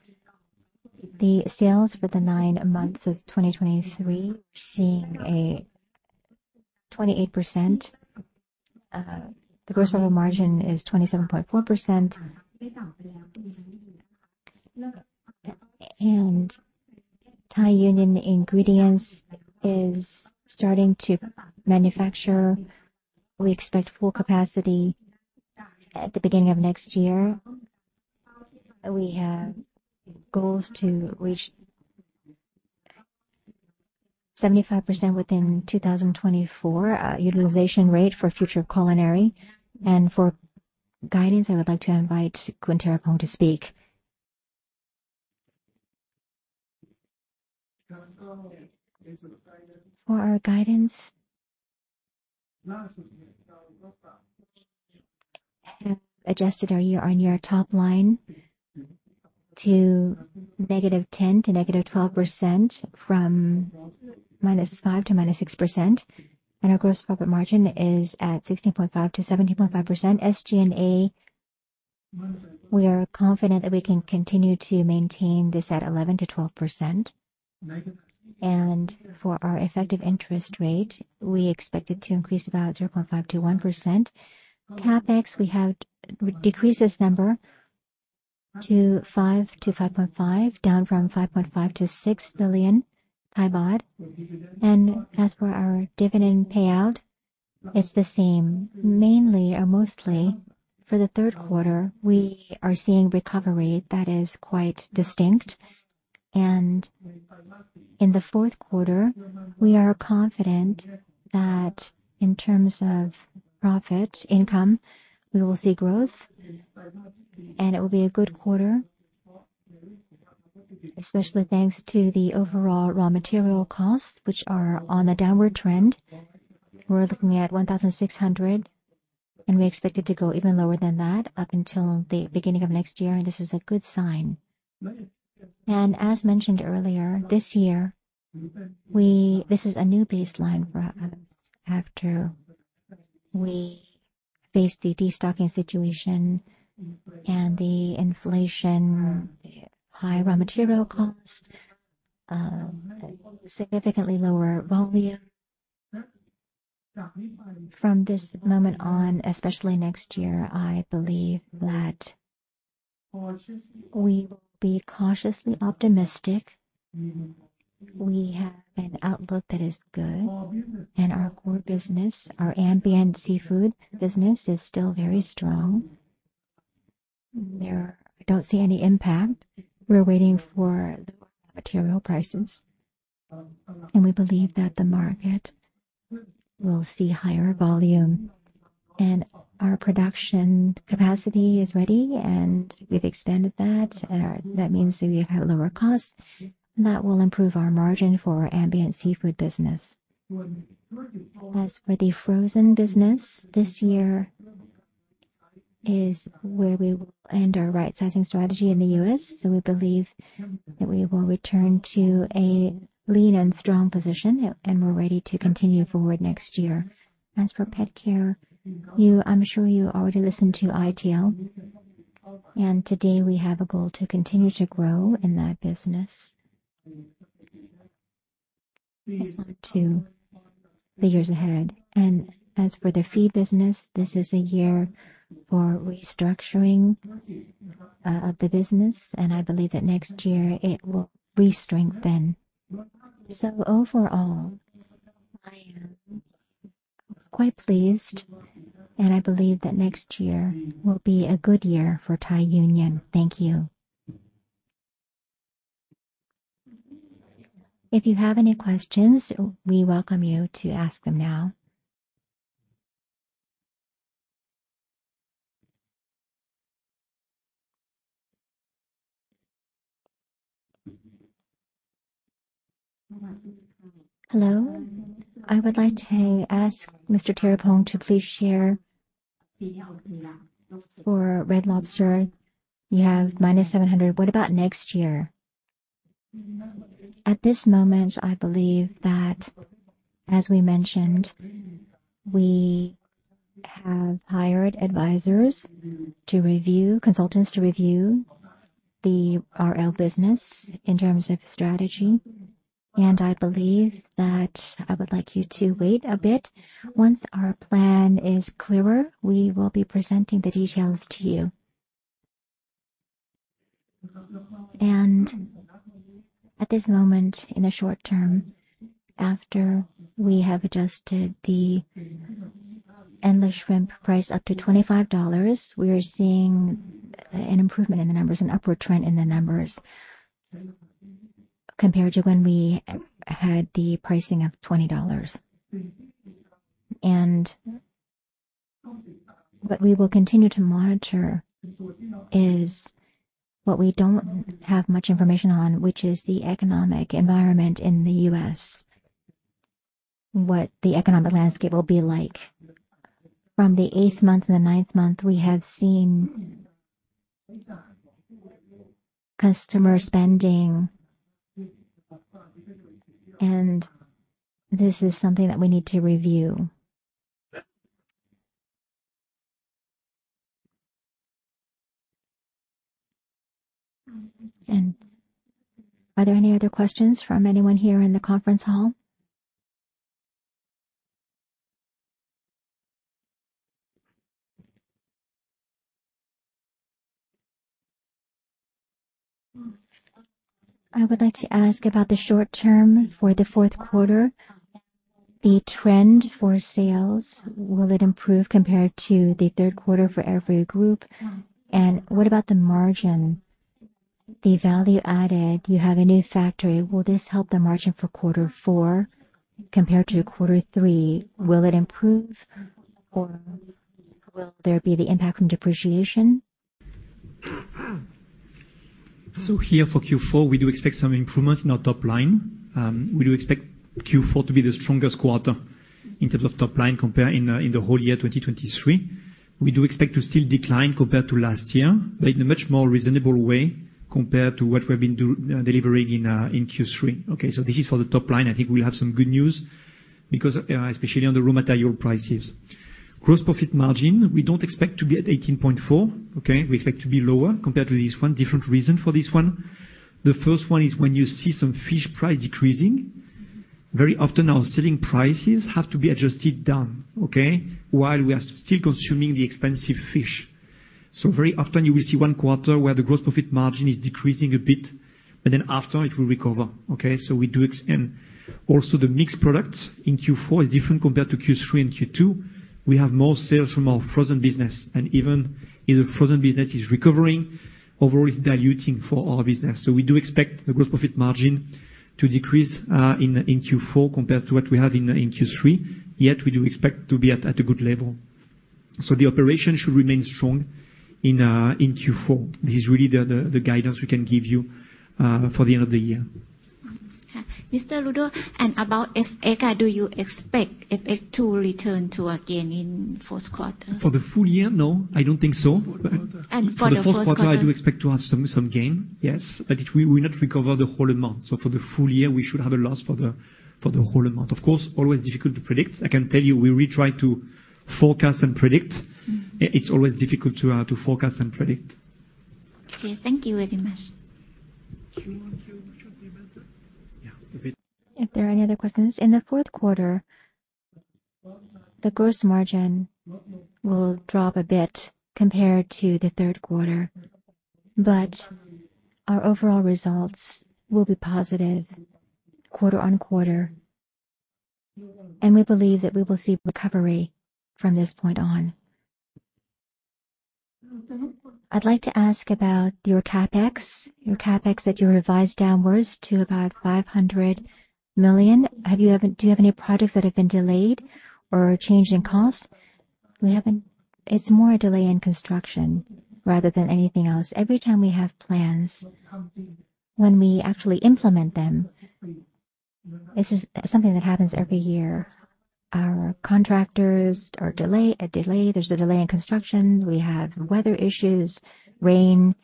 sales for the nine months of 2023, we're seeing a 28%, the gross profit margin is 27.4%. Thai Union Ingredients is starting to manufacture. We expect full capacity at the beginning of next year. We have goals to reach 75% within 2024, utilization rate for future culinary. For guidance, I would like to invite Khun Thiraphong to speak. For our guidance, we have adjusted our year-on-year top line to -10% to -12% from -5% to -6%, and our gross profit margin is at 16.5%-17.5%. SG&A, we are confident that we can continue to maintain this at 11%-12%. And for our effective interest rate, we expect it to increase about 0.5% to 1%. CapEx, we have decreased this number to 5 billion-5.5 billion, down from 5.5 billion-6 billion. And as for our dividend payout, it's the same. Mainly or mostly for the third quarter, we are seeing recovery that is quite distinct. In the fourth quarter, we are confident that in terms of profit income, we will see growth, and it will be a good quarter, especially thanks to the overall raw material costs, which are on a downward trend. We're looking at $1,600, and we expect it to go even lower than that up until the beginning of next year, and this is a good sign. As mentioned earlier, this year, this is a new baseline for us after we faced the destocking situation and the inflation, high raw material costs, significantly lower volume. From this moment on, especially next year, I believe that we will be cautiously optimistic. We have an outlook that is good, and our core business, our ambient seafood business, is still very strong. There, I don't see any impact. We're waiting for material prices, and we believe that the market will see higher volume and our production capacity is ready and we've expanded that. That means that we have lower costs. That will improve our margin for ambient seafood business. As for the frozen business, this year is where we will end our right-sizing strategy in the U.S., so we believe that we will return to a lean and strong position, and we're ready to continue forward next year. As for PetCare, you, I'm sure you already listened to i-Tail, and today we have a goal to continue to grow in that business to the years ahead. And as for the feed business, this is a year for restructuring of the business, and I believe that next year it will re-strengthen. So overall, I am quite pleased, and I believe that next year will be a good year for Thai Union. Thank you. If you have any questions, we welcome you to ask them now. Hello, I would like to ask Mr. Thiraphong to please share. For Red Lobster, you have -$700. What about next year? At this moment, I believe that as we mentioned, we have hired adhvisors to review, consultants to review the RL business in terms of strategy, and I believe that I would like you to wait a bit. Once our plan is clearer, we will be presenting the details to you.... At this moment, in the short term, after we have adjusted the Endless Shrimp price up to $25, we are seeing an improvement in the numbers, an upward trend in the numbers, compared to when we had the pricing of $20. What we will continue to monitor is what we don't have much information on, which is the economic environment in the U.S. What the economic landscape will be like. From the eighth month and the ninth month, we have seen customer spending, and this is something that we need to review. Are there any other questions from anyone here in the conference hall? I would like to ask about the short term for the fourth quarter. The trend for sales, will it improve compared to the third quarter for every group? And what about the margin, the value added? You have a new factory, will this help the margin for quarter four compared to quarter three? Will it improve, or will there be the impact from depreciation? So here for Q4, we do expect some improvement in our top line. We do expect Q4 to be the strongest quarter in terms of top line compare in the whole year, 2023. We do expect to still decline compared to last year, but in a much more reasonable way compared to what we've been delivering in Q3. Okay, so this is for the top line. I think we'll have some good news, because especially on the raw material prices. Gross profit margin, we don't expect to be at 18.4%, okay? We expect to be lower compared to this one. Different reason for this one. The first one is when you see some fish price decreasing, very often our selling prices have to be adjusted down, okay, while we are still consuming the expensive fish. So very often you will see one quarter where the gross profit margin is decreasing a bit, but then after, it will recover. Okay, so we do. And also the mixed product in Q4 is different compared to Q3 and Q2. We have more sales from our frozen business, and even if the frozen business is recovering, overall, it's diluting for our business. So we do expect the gross profit margin to decrease in Q4 compared to what we have in Q3, yet we do expect to be at a good level. So the operation should remain strong in Q4. This is really the guidance we can give you for the end of the year. Mr. Ludo, and about FX, do you expect FX to return to again in fourth quarter? For the full year? No, I don't think so. For the first quarter? For the first quarter, I do expect to have some gain, yes, but it will not recover the whole amount. So for the full year, we should have a loss for the whole amount. Of course, always difficult to predict. I can tell you, we really try to forecast and predict. Mm. It's always difficult to forecast and predict. Okay, thank you very much. If there are any other questions? In the fourth quarter, the gross margin will drop a bit compared to the third quarter, but our overall results will be positive quarter-on-quarter, and we believe that we will see recovery from this point on. I'd like to ask about your CapEx. Your CapEx that you revised downwards to about 500 million. Have you ever—do you have any projects that have been delayed or changed in cost? We haven't. It's more a delay in construction rather than anything else. Every time we have plans, when we actually implement them, this is something that happens every year. Our contractors are delayed, a delay. There's a delay in construction. We have weather issues, rain.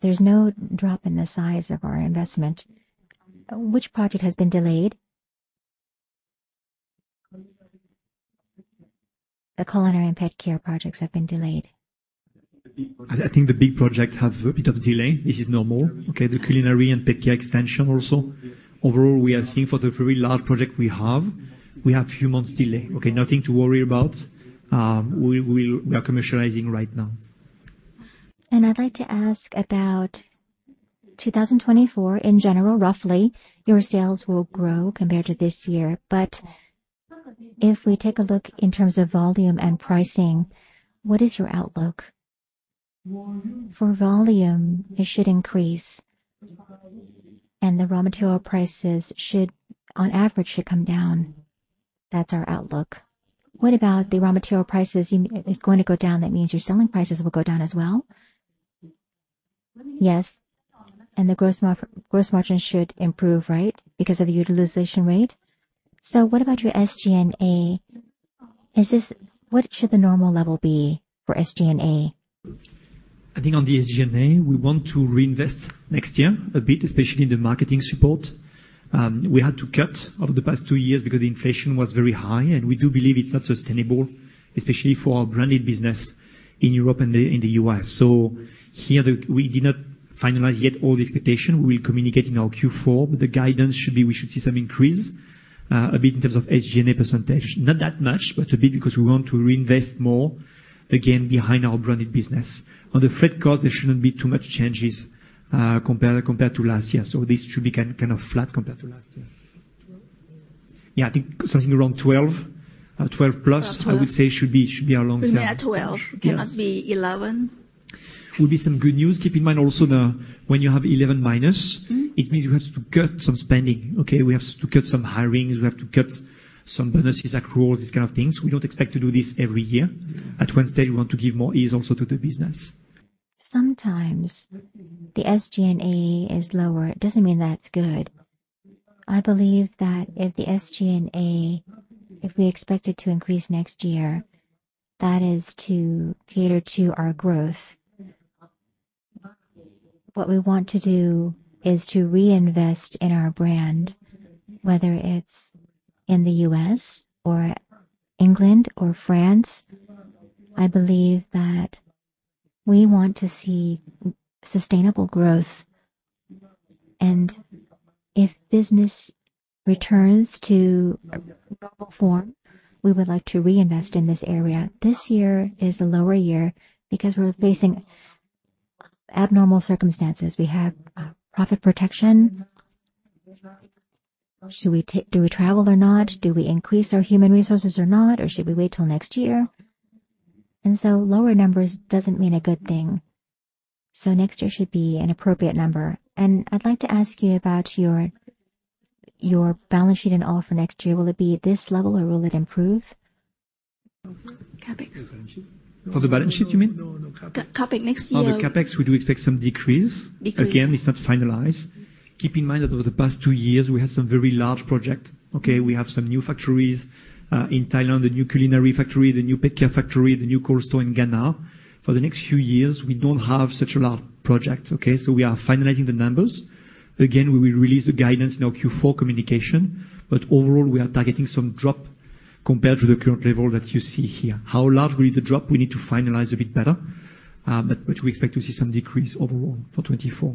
There's no drop in the size of our investment. Which project has been delayed? The culinary and PetCare projects have been delayed. I think the big projects have a bit of delay. This is normal. Okay, the culinary and PetCare extension also. Overall, we are seeing for the very large project we have, we have few months delay. Okay, nothing to worry about. We are commercializing right now. I'd like to ask about 2024. In general, roughly, your sales will grow compared to this year, but if we take a look in terms of volume and pricing, what is your outlook? For volume, it should increase, and the raw material prices should, on average, come down. That's our outlook. What about the raw material prices? You, it's going to go down, that means your selling prices will go down as well. Yes, and the gross margin should improve, right? Because of the utilization rate. What about your SG&A? What should the normal level be for SG&A? I think on the SG&A, we want to reinvest next year a bit, especially in the marketing support. We had to cut over the past 2 years because the inflation was very high, and we do believe it's not sustainable, especially for our branded business in Europe and the, in the US. So here, the, we did not finalize yet all the expectation. We'll communicate in our Q4, but the guidance should be, we should see some increase, a bit in terms of SG&A percentage. Not that much, but a bit, because we want to reinvest more, again, behind our branded business. On the freight cost, there shouldn't be too much changes, compared to last year, so this should be kind of flat compared to last year. Yeah, I think something around 12, 12 plus- Twelve plus. I would say should be, should be our long term. Yeah, 12. Cannot be 11? Would be some good news. Keep in mind also the when you have 11 minus- Mm-hmm. It means you have to cut some spending. Okay? We have to cut some hirings, we have to cut some bonuses, accruals, these kind of things. We don't expect to do this every year. At one stage, we want to give more ease also to the business. Sometimes the SG&A is lower. It doesn't mean that's good. I believe that if the SG&A, if we expect it to increase next year, that is to cater to our growth. What we want to do is to reinvest in our brand, whether it's in the U.S. or England or France. I believe that we want to see sustainable growth, and if business returns to normal form, we would like to reinvest in this area. This year is a lower year because we're facing abnormal circumstances. We have profit protection. Should we take? Do we travel or not? Do we increase our human resources or not, or should we wait till next year? And so lower numbers doesn't mean a good thing. So next year should be an appropriate number. And I'd like to ask you about your, your balance sheet and all for next year. Will it be at this level, or will it improve? CapEx. For the balance sheet, you mean? No, no, CapEx. CapEx next year. For the CapEx, we do expect some decrease. Decrease. Again, it's not finalized. Keep in mind that over the past two years, we had some very large project. Okay, we have some new factories, in Thailand, the new culinary factory, the new PetCare factory, the new cold store in Ghana. For the next few years, we don't have such a large project, okay? So we are finalizing the numbers. Again, we will release the guidance in our Q4 communication, but overall, we are targeting some drop compared to the current level that you see here. How large will be the drop? We need to finalize a bit better, but we expect to see some decrease overall for 2024.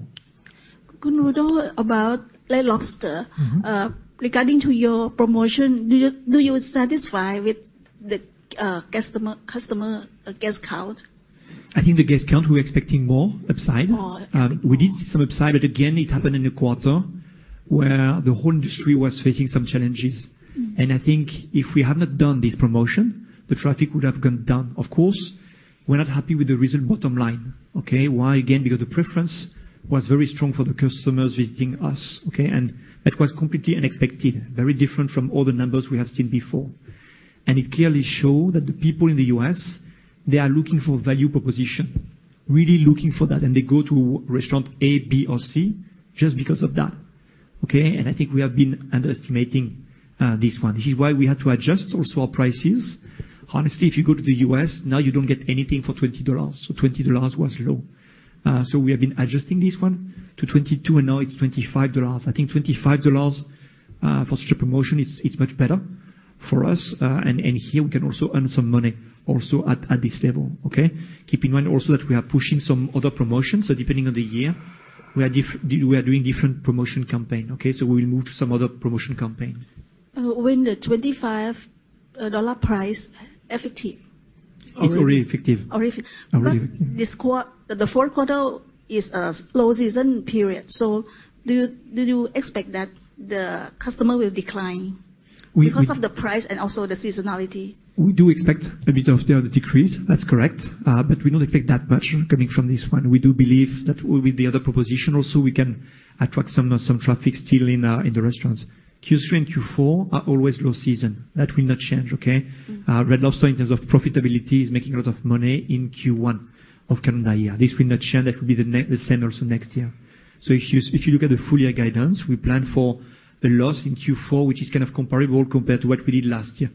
Ludo, about Red Lobster. Mm-hmm. Regarding to your promotion, do you satisfy with the customer guest count? I think the guest count, we're expecting more upside. More upside. We did see some upside, but again, it happened in a quarter where the whole industry was facing some challenges. Mm. And I think if we had not done this promotion, the traffic would have gone down. Of course, we're not happy with the result, bottom line. Okay, why? Again, because the preference was very strong for the customers visiting us, okay? And that was completely unexpected, very different from all the numbers we have seen before. And it clearly show that the people in the US, they are looking for value proposition, really looking for that, and they go to restaurant A, B, or C just because of that, okay? And I think we have been underestimating, this one. This is why we had to adjust also our prices. Honestly, if you go to the US, now, you don't get anything for $20. So $20 was low. So we have been adjusting this one to $22, and now it's $25. I think $25 for such a promotion; it's much better for us. And here, we can also earn some money also at this level. Okay? Keep in mind also that we are pushing some other promotions, so depending on the year, we are doing different promotion campaign, okay? So we will move to some other promotion campaign. When the $25 price effective? It's already effective. Already effective. Already effective. The fourth quarter is a low season period, so do you, do you expect that the customer will decline? We- -because of the price and also the seasonality? We do expect a bit of the decrease, that's correct. But we don't expect that much coming from this one. We do believe that with the other proposition also, we can attract some traffic still in the restaurants. Q3 and Q4 are always low season. That will not change, okay? Mm-hmm. Red Lobster, in terms of profitability, is making a lot of money in Q1 of current year. This will not change. That will be the same also next year. So if you look at the full year guidance, we plan for a loss in Q4, which is kind of comparable compared to what we did last year,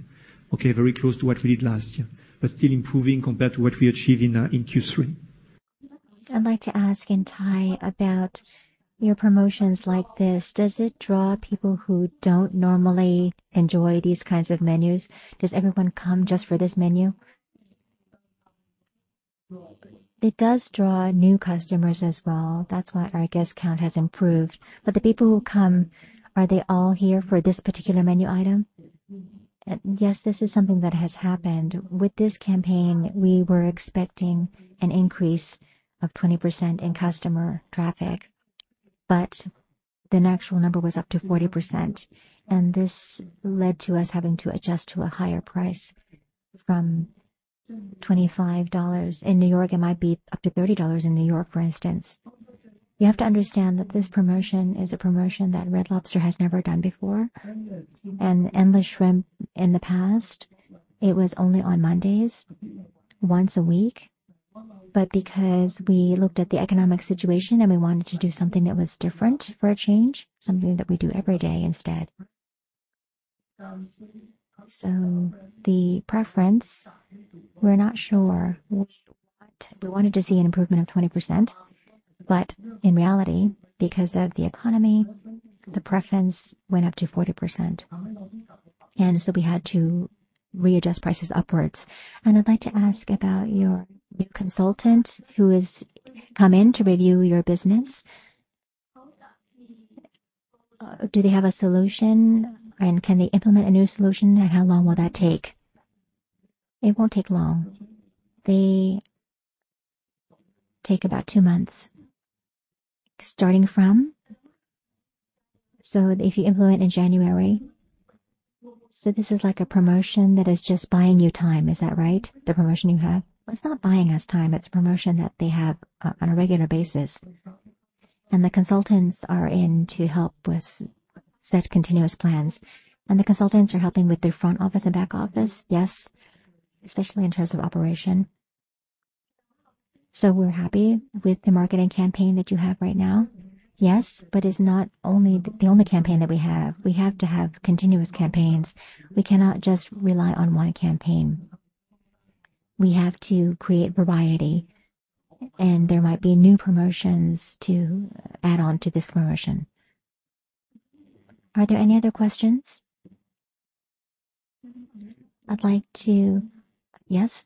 okay? Very close to what we did last year, but still improving compared to what we achieved in Q3. I'd like to ask in Thai about your promotions like this, does it draw people who don't normally enjoy these kinds of menus? Does everyone come just for this menu? It does draw new customers as well. That's why our guest count has improved. But the people who come, are they all here for this particular menu item? Yes, this is something that has happened. With this campaign, we were expecting an increase of 20% in customer traffic, but the actual number was up to 40%, and this led to us having to adjust to a higher price from $25. In New York, it might be up to $30 in New York, for instance. You have to understand that this promotion is a promotion that Red Lobster has never done before, and Endless Shrimp in the past, it was only on Mondays, once a week. But because we looked at the economic situation and we wanted to do something that was different for a change, something that we do every day instead. So the preference, we're not sure what. We wanted to see an improvement of 20%, but in reality, because of the economy, the preference went up to 40%, and so we had to readjust prices upwards. And I'd like to ask about your consultant who has come in to review your business. Do they have a solution, and can they implement a new solution, and how long will that take? It won't take long. Take about two months. Starting from? So if you implement in January. So this is like a promotion that is just buying you time, is that right? The promotion you have. It's not buying us time, it's a promotion that they have on a regular basis, and the consultants are in to help with set continuous plans. And the consultants are helping with the front office and back office? Yes, especially in terms of operation. So we're happy with the marketing campaign that you have right now? Yes, but it's not only the only campaign that we have. We have to have continuous campaigns. We cannot just rely on one campaign. We have to create variety, and there might be new promotions to add on to this promotion. Are there any other questions? I'd like to... Yes.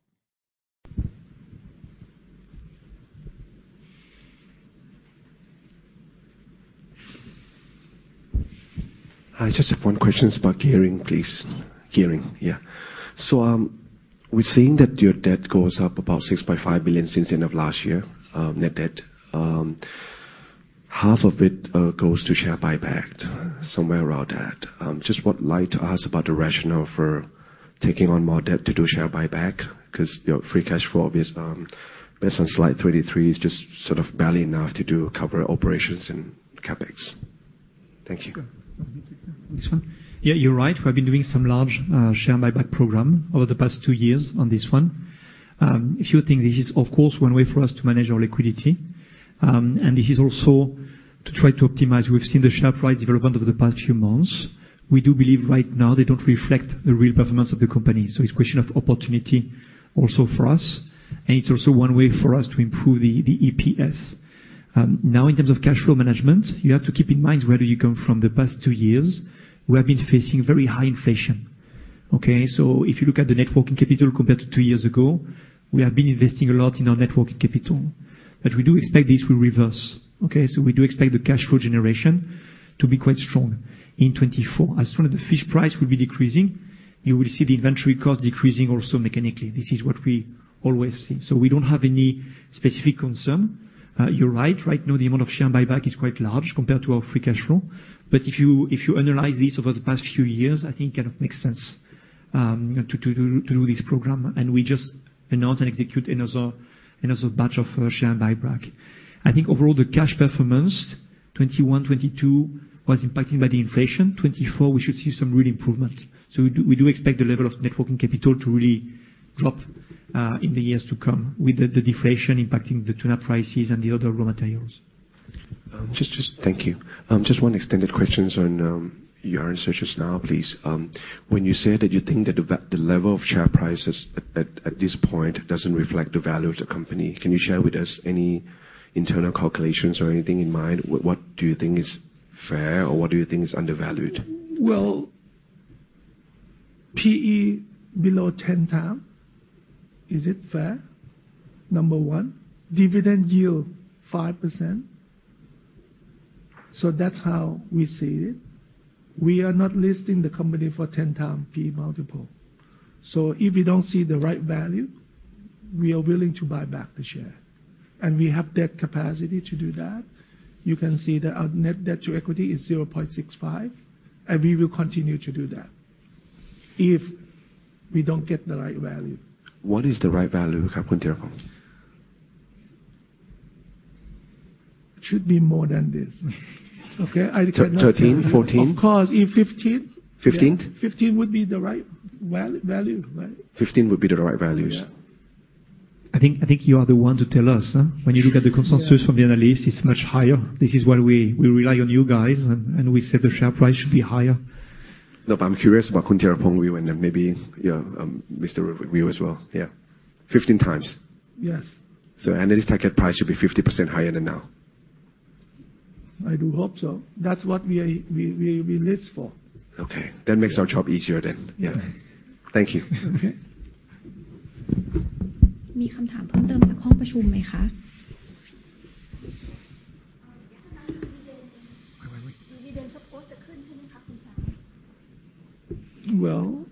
Hi. I just have one question about gearing, please. Gearing, yeah. So, we've seen that your debt goes up about 6.5 billion since the end of last year, net debt. Half of it goes to share buyback, somewhere around that. Just like to ask about the rationale for taking on more debt to do share buyback, 'cause your free cash flow is, based on slide 23, just sort of barely enough to cover operations and CapEx. Thank you. This one? Yeah, you're right. We've been doing some large share buyback program over the past two years on this one. If you think this is, of course, one way for us to manage our liquidity, and this is also to try to optimize. We've seen the share price development over the past few months. We do believe right now they don't reflect the real performance of the company, so it's a question of opportunity also for us, and it's also one way for us to improve the, the EPS. Now, in terms of cash flow management, you have to keep in mind, where do you come from the past two years? We have been facing very high inflation, okay? So if you look at the net working capital compared to two years ago, we have been investing a lot in our net working capital, but we do expect this will reverse, okay? So we do expect the cash flow generation to be quite strong in 2024. As soon as the fish price will be decreasing, you will see the inventory cost decreasing also mechanically. This is what we always see. So we don't have any specific concern. You're right. Right now, the amount of share buyback is quite large compared to our free cash flow, but if you, if you analyze this over the past few years, I think it makes sense, to, to, to do this program. And we just announce and execute another, another batch of, share buyback. I think overall, the cash performance, 2021, 2022, was impacted by the inflation. 2024, we should see some real improvement. So we do, we do expect the level of net working capital to really drop in the years to come, with the deflation impacting the tuna prices and the other raw materials. Just... Thank you. Just one extended questions on your answers just now, please. When you say that you think that the level of share prices at this point doesn't reflect the value of the company, can you share with us any internal calculations or anything in mind? What do you think is fair, or what do you think is undervalued? Well, P/E below 10x, is it fair? Number one. Dividend yield, 5%. So that's how we see it. We are not listing the company for 10x P/E multiple. So if we don't see the right value, we are willing to buy back the share, and we have that capacity to do that. You can see that our net debt to equity is 0.65, and we will continue to do that if we don't get the right value. What is the right value, Khun Thiraphong? It should be more than this. Okay, I cannot tell you- Thirteen, fourteen? Of course, if 15. Fifteen? 15 would be the right value, right. 15 would be the right value? Yeah. I think you are the one to tell us, huh? When you look at the consensus from the analyst, it's much higher. This is why we rely on you guys, and we say the share price should be higher. No, but I'm curious about Khun Thiraphong's view and then maybe, yeah, Mr. Ludo's view as well. Yeah. 15 times? Yes. Analyst target price should be 50% higher than now? I do hope so. That's what we are. We list for. Okay, that makes our job easier then. Yeah. Yeah. Thank you. Okay. Well,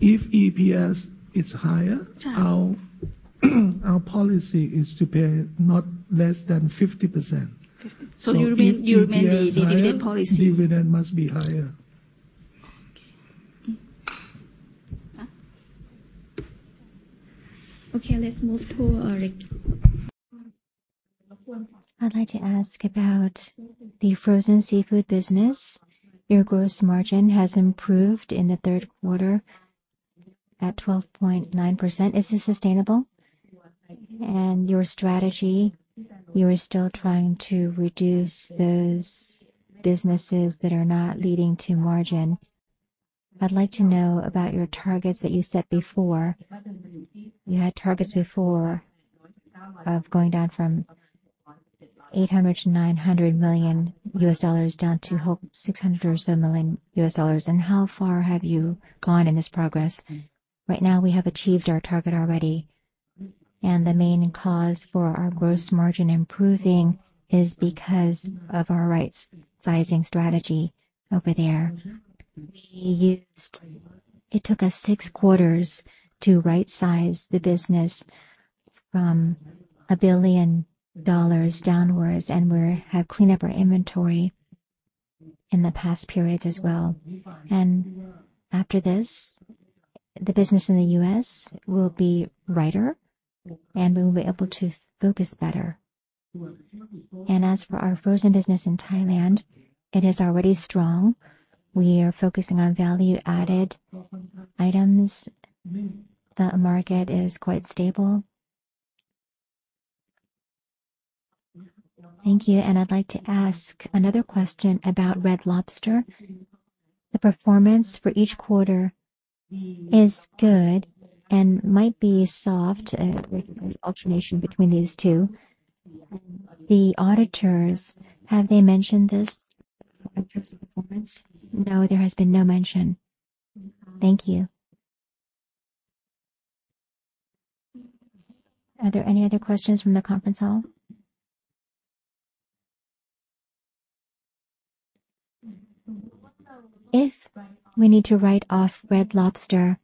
if EPS is higher- Yeah. Our policy is to pay not less than 50%. 50. So you mean, you mean the dividend policy- Dividend must be higher. Okay. Okay, let's move to Rick. I'd like to ask about the frozen seafood business. Your gross margin has improved in the third quarter at 12.9%. Is this sustainable? And your strategy, you are still trying to reduce those businesses that are not leading to margin. I'd like to know about your targets that you set before. You had targets before of going down from $800 million-$900 million, down to whole $600 million or so, and how far have you gone in this progress? Right now, we have achieved our target already, and the main cause for our gross margin improving is because of our right-sizing strategy over there. We used-... It took us six quarters to rightsize the business from $1 billion downwards, and we have cleaned up our inventory in the past periods as well. After this, the business in the U.S. will be right-sized, and we will be able to focus better. As for our frozen business in Thailand, it is already strong. We are focusing on value-added items. The market is quite stable. Thank you. I'd like to ask another question about Red Lobster. The performance for each quarter is good and might be soft, with an alternation between these two. The auditors, have they mentioned this performance? No, there has been no mention. Thank you. Are there any other questions from the conference call? If we need to write off Red Lobster,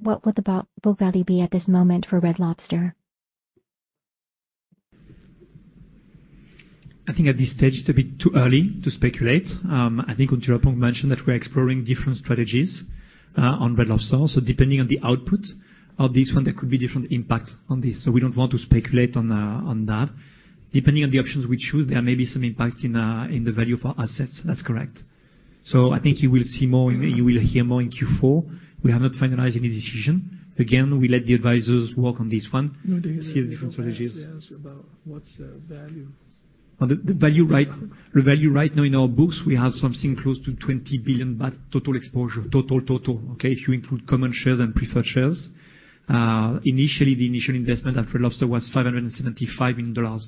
what would the book value be at this moment for Red Lobster? I think at this stage, it's a bit too early to speculate. I think Thiraphong mentioned that we're exploring different strategies on Red Lobster. So depending on the output of this one, there could be different impact on this. So we don't want to speculate on that. Depending on the options we choose, there may be some impact in the value for assets. That's correct. So I think you will hear more in Q4. We have not finalized any decision. Again, we let the advisors work on this one, see the different strategies. About what's the value? The value right now in our books, we have something close to 20 billion baht total exposure. Total, okay? If you include common shares and preferred shares. Initially, the initial investment at Red Lobster was $575 million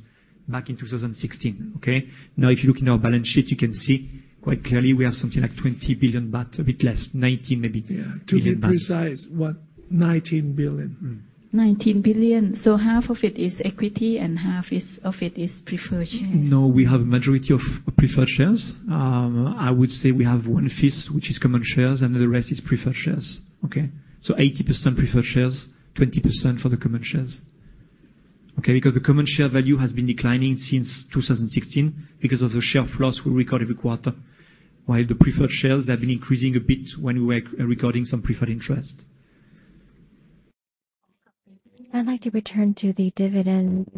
back in 2016, okay? Now, if you look in our balance sheet, you can see quite clearly we have something like 20 billion baht, a bit less, maybe THB 19 billion. To be precise, what? 19 billion. 19 billion. So half of it is equity and half of it is preferred shares. No, we have majority of preferred shares. I would say we have one-fifth, which is common shares, and the rest is preferred shares. Okay? So 80% preferred shares, 20% for the common shares. Okay, because the common share value has been declining since 2016 because of the share loss we record every quarter, while the preferred shares have been increasing a bit when we were recording some preferred interest. I'd like to return to the dividend.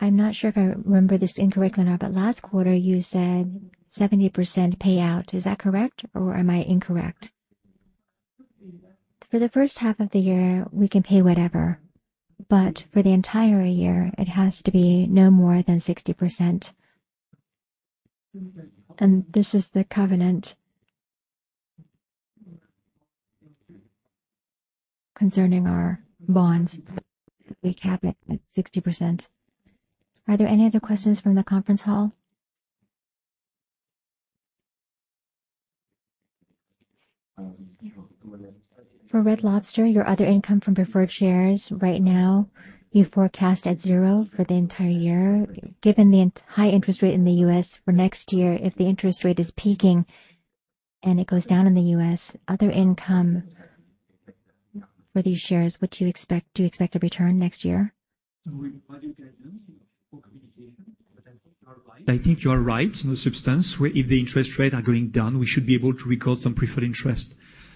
I'm not sure if I remember this incorrectly or not, but last quarter, you said 70% payout. Is that correct, or am I incorrect? For the first half of the year, we can pay whatever, but for the entire year, it has to be no more than 60%. And this is the covenant concerning our bonds. We cap it at 60%. Are there any other questions from the conference hall? For Red Lobster, your other income from preferred shares right now, you forecast at zero for the entire year. Given the high interest rate in the U.S. for next year, if the interest rate is peaking and it goes down in the U.S., other income for these shares, what do you expect? Do you expect a return next year? I think you are right in the substance, where if the interest rates are going down, we should be able to record some preferred interest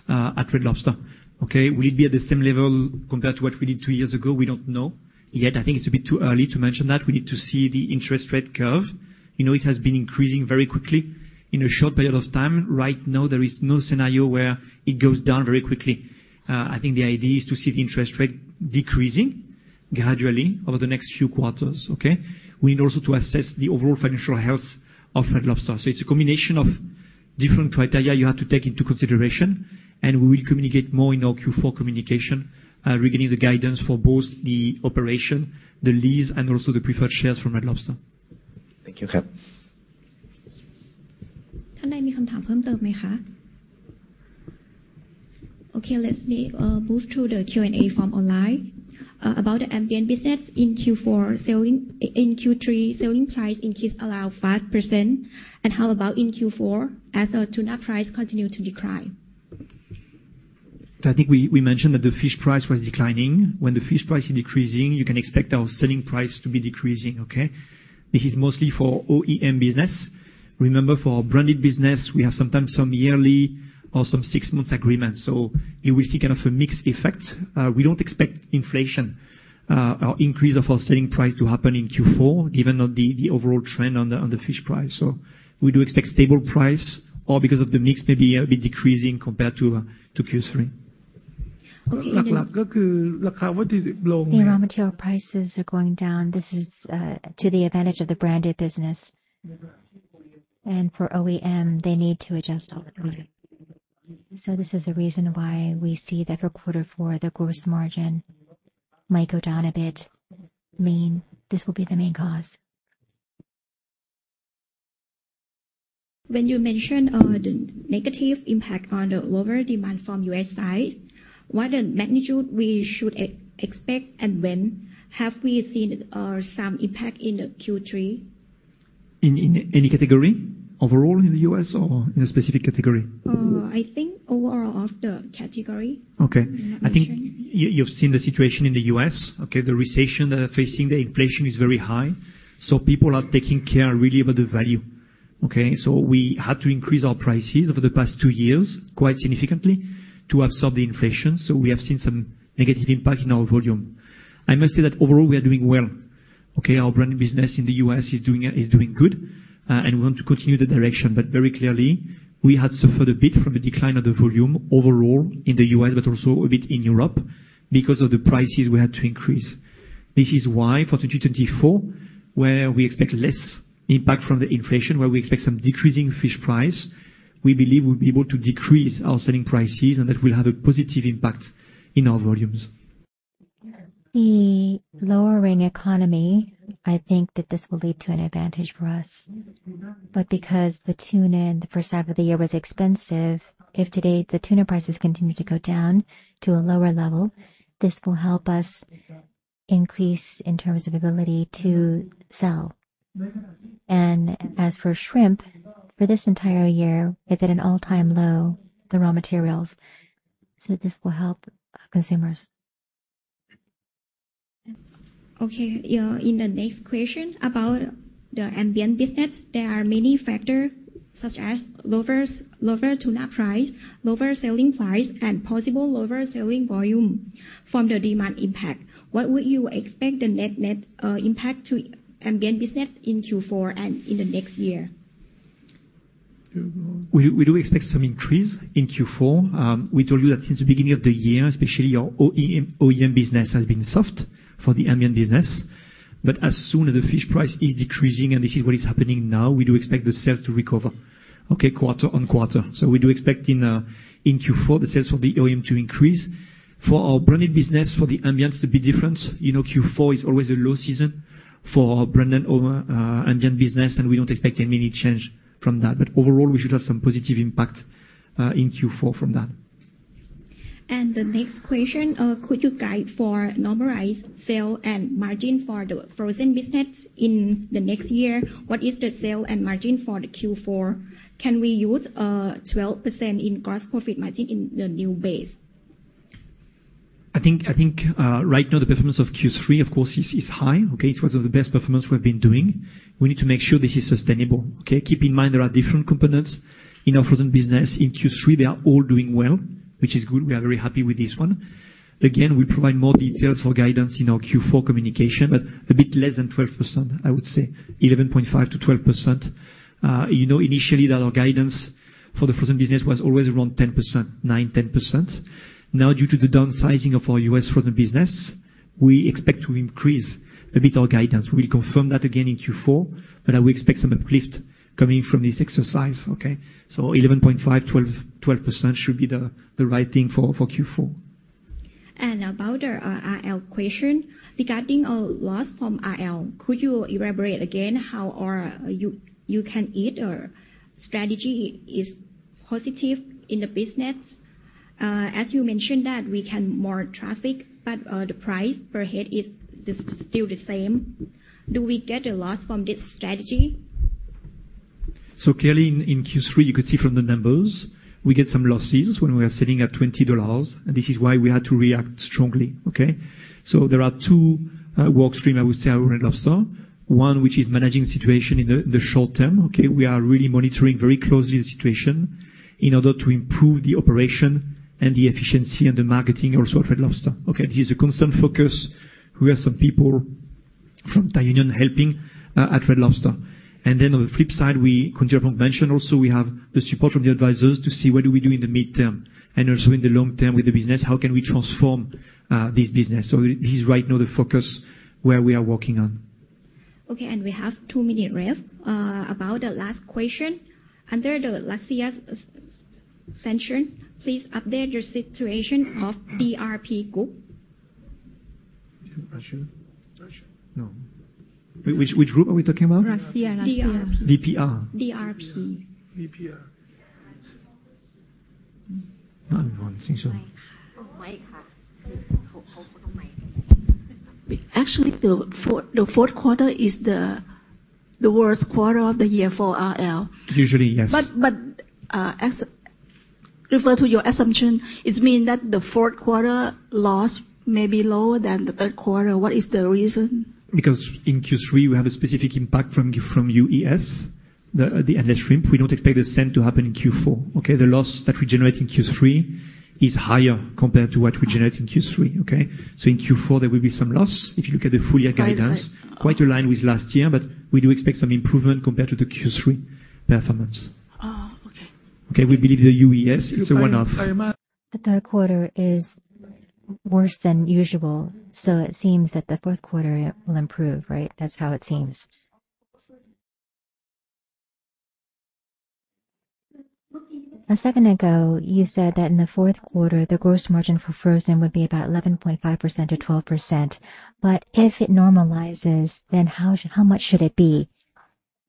at Red Lobster. Okay. Will it be at the same level compared to what we did two years ago? We don't know yet. I think it's a bit too early to mention that. We need to see the interest rate curve. You know, it has been increasing very quickly in a short period of time. Right now, there is no scenario where it goes down very quickly. I think the idea is to see the interest rate decreasing gradually over the next few quarters. Okay? We need also to assess the overall financial health of Red Lobster. It's a combination of different criteria you have to take into consideration, and we will communicate more in our Q4 communication regarding the guidance for both the operation, the lease, and also the preferred shares from Red Lobster. Thank you, Kap. Okay, let's move to the Q&A from online. About the ambient business in Q4, selling price, in Q3, selling price increased around 5%, and how about in Q4 as our tuna price continue to decline? I think we mentioned that the fish price was declining. When the fish price is decreasing, you can expect our selling price to be decreasing, okay? This is mostly for OEM business. Remember, for our branded business, we have sometimes some yearly or some six months agreements, so you will see kind of a mixed effect. We don't expect inflation or increase of our selling price to happen in Q4, given on the overall trend on the fish price. So we do expect stable price or because of the mix, maybe a bit decreasing compared to Q3. Okay. The raw material prices are going down. This is to the advantage of the branded business. For OEM, they need to adjust all the time. This is the reason why we see that for quarter four, the gross margin might go down a bit. This will be the main cause. When you mentioned the negative impact on the lower demand from U.S. side, what are the magnitude we should expect and when have we seen some impact in the Q3?... In any category? Overall in the US or in a specific category? I think overall, of the category. Okay. I think you, you've seen the situation in the U.S., okay? The recession that they're facing, the inflation is very high, so people are taking care really about the value, okay? So we had to increase our prices over the past two years, quite significantly, to absorb the inflation. So we have seen some negative impact in our volume. I must say that overall, we are doing well, okay? Our brand business in the U.S. is doing, is doing good, and we want to continue the direction. But very clearly, we had suffered a bit from the decline of the volume overall in the U.S., but also a bit in Europe, because of the prices we had to increase. This is why for 2024, where we expect less impact from the inflation, where we expect some decreasing fish price, we believe we'll be able to decrease our selling prices, and that will have a positive impact in our volumes. The lowering economy, I think that this will lead to an advantage for us. But because the tuna in the first half of the year was expensive, if today the tuna prices continue to go down to a lower level, this will help us increase in terms of ability to sell. And as for shrimp, for this entire year, is at an all-time low, the raw materials, so this will help our consumers. Okay, in the next question about the ambient business. There are many factors, such as lower tuna price, lower selling price, and possible lower selling volume from the demand impact. What would you expect the net impact to ambient business in Q4 and in the next year? We do expect some increase in Q4. We told you that since the beginning of the year, especially our OEM, OEM business has been soft for the ambient business. But as soon as the fish price is decreasing, and this is what is happening now, we do expect the sales to recover, okay, quarter on quarter. So we do expect in Q4, the sales for the OEM to increase. For our branded business, for the ambient, a bit different. You know, Q4 is always a low season for our branded over ambient business, and we don't expect any many change from that. But overall, we should have some positive impact in Q4 from that. The next question, could you guide for normalized sale and margin for the frozen business in the next year? What is the sale and margin for the Q4? Can we use 12% in gross profit margin in the new base? I think, I think, right now, the performance of Q3, of course, is, is high, okay? It was of the best performance we've been doing. We need to make sure this is sustainable, okay? Keep in mind, there are different components in our frozen business. In Q3, they are all doing well, which is good. We are very happy with this one. Again, we provide more details for guidance in our Q4 communication, but a bit less than 12%, I would say. 11.5%-12%. You know, initially that our guidance for the frozen business was always around 10%, 9, 10%. Now, due to the downsizing of our U.S. frozen business, we expect to increase a bit our guidance. We'll confirm that again in Q4, but I will expect some uplift coming from this exercise, okay? So 11.5, 12, 12% should be the right thing for Q4. About our RL question: Regarding a loss from RL, could you elaborate again how our All-You-Can-Eat strategy is positive in the business? As you mentioned that we can more traffic, but the price per head is still the same. Do we get a loss from this strategy? So clearly, in, in Q3, you could see from the numbers, we get some losses when we are sitting at $20, and this is why we had to react strongly, okay? So there are two work streams, I would say, at Red Lobster. One, which is managing the situation in the, the short term, okay? We are really monitoring very closely the situation in order to improve the operation and the efficiency and the marketing also at Red Lobster. Okay, this is a constant focus. We have some people from Thai Union helping at Red Lobster. And then on the flip side, we, as Khun Rit mentioned also, we have the support of the advisors to see what do we do in the mid-term, and also in the long term with the business, how can we transform this business? This is right now the focus where we are working on. Okay, and we have 2 minutes left. About the last question. Under the last year's section, please update your situation of DPR Group. Russia? Russia. No. Wait, which, which group are we talking about? Russia. Russia. DPR. DPR. DPR. I don't know. I think so. Actually, the fourth quarter is the worst quarter of the year for RL. Usually, yes. Refer to your assumption, it mean that the fourth quarter loss may be lower than the third quarter. What is the reason? Because in Q3, we have a specific impact from UES, the shrimp. We don't expect the same to happen in Q4, okay? The loss that we generate in Q3 is higher compared to what we generate in Q3, okay? So in Q4, there will be some loss. If you look at the full year guidance, quite aligned with last year, but we do expect some improvement compared to the Q3 performance. Oh, okay. Okay. We believe the UES, it's a one-off. The third quarter is worse than usual, so it seems that the fourth quarter will improve, right? That's how it seems. A second ago, you said that in the fourth quarter, the gross margin for frozen would be about 11.5%-12%. But if it normalizes, then how much should it be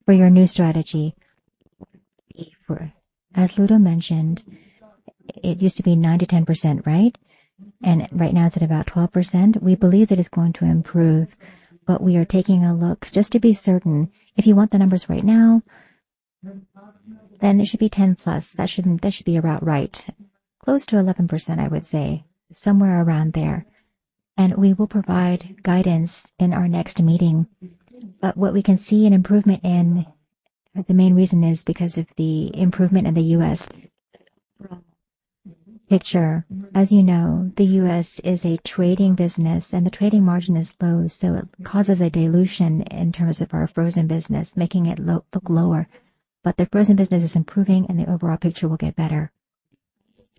for your new strategy? As Ludo mentioned, it used to be 90%-10%, right? And right now it's at about 12%. We believe that it's going to improve, but we are taking a look just to be certain. If you want the numbers right now, then it should be 10+. That should be about right. Close to 11%, I would say, somewhere around there, and we will provide guidance in our next meeting. But what we can see an improvement in, the main reason is because of the improvement in the US picture. As you know, the US is a trading business, and the trading margin is low, so it causes a dilution in terms of our frozen business, making it look lower. But the frozen business is improving, and the overall picture will get better.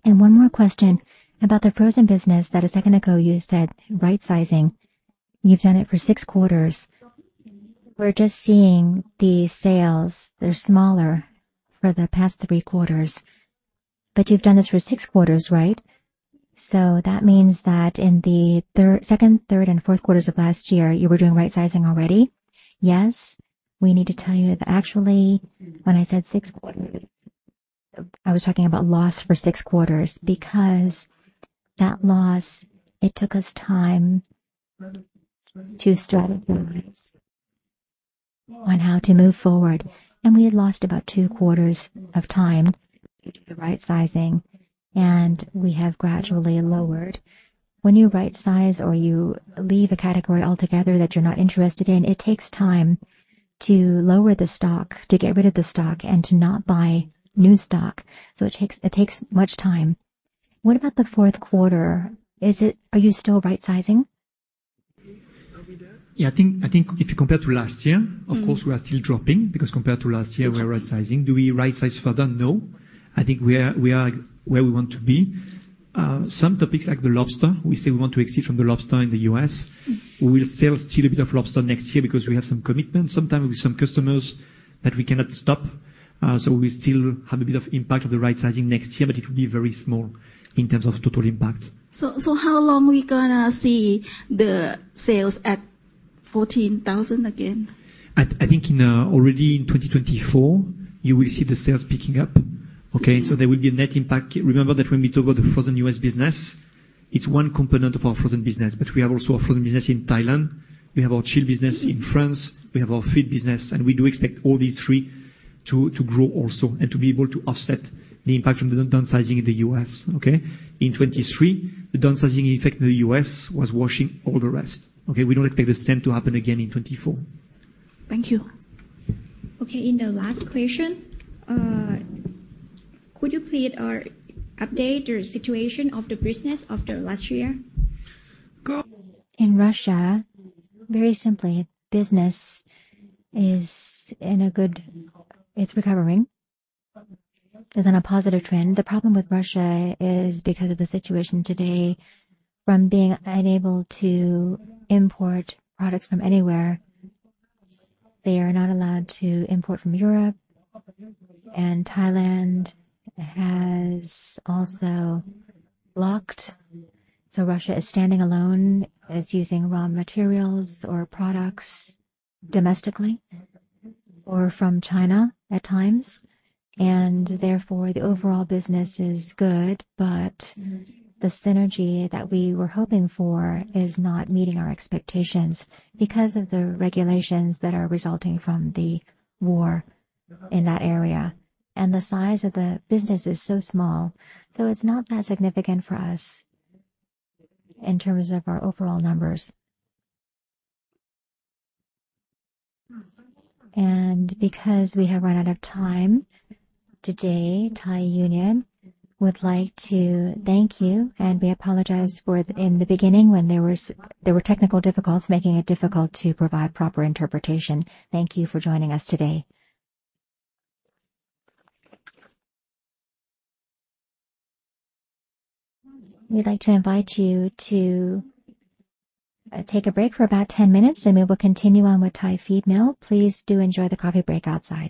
One more question about the frozen business, that a second ago you said, right sizing. You've done it for six quarters. We're just seeing the sales. They're smaller for the past three quarters, but you've done this for six quarters, right? So that means that in the second, third, and fourth quarters of last year, you were doing right sizing already? Yes. We need to tell you that actually, when I said six quarters, I was talking about loss for six quarters, because that loss, it took us time to strategize on how to move forward, and we had lost about two quarters of time due to the right-sizing, and we have gradually lowered. When you right-size or you leave a category altogether that you're not interested in, it takes time to lower the stock, to get rid of the stock, and to not buy new stock. So it takes, it takes much time. What about the fourth quarter? Is it... Are you still right-sizing? Yeah, I think, I think if you compare to last year, of course, we are still dropping, because compared to last year, we are rightsizing. Do we rightsize further? No. I think we are, we are where we want to be. Some topics like the lobster, we say we want to exit from the lobster in the U.S. We will sell still a bit of lobster next year because we have some commitments, sometimes with some customers, that we cannot stop. So we still have a bit of impact of the right sizing next year, but it will be very small in terms of total impact. So, how long are we gonna see the sales at 14,000 again? I think already in 2024, you will see the sales picking up. Okay? So there will be a net impact. Remember that when we talk about the frozen U.S. business, it's one component of our frozen business, but we have also a frozen business in Thailand. We have our chilled business in France. We have our feed business, and we do expect all these three to grow also and to be able to offset the impact from the downsizing in the U.S. Okay? In 2023, the downsizing effect in the U.S. was washing all the rest. Okay? We don't expect the same to happen again in 2024. Thank you. Okay, the last question. Could you please update the situation of the business after last year? In Russia, very simply, business is in a good... It's recovering. It's on a positive trend. The problem with Russia is because of the situation today, from being unable to import products from anywhere, they are not allowed to import from Europe, and Thailand has also blocked. So Russia is standing alone, is using raw materials or products domestically or from China at times, and therefore, the overall business is good, but the synergy that we were hoping for is not meeting our expectations because of the regulations that are resulting from the war in that area. And the size of the business is so small, so it's not that significant for us in terms of our overall numbers. Because we have run out of time today, Thai Union would like to thank you, and we apologize for in the beginning when there were technical difficulties making it difficult to provide proper interpretation. Thank you for joining us today. We'd like to invite you to take a break for about 10 minutes, and we will continue on with Thai Union Feedmill. Please do enjoy the coffee break outside.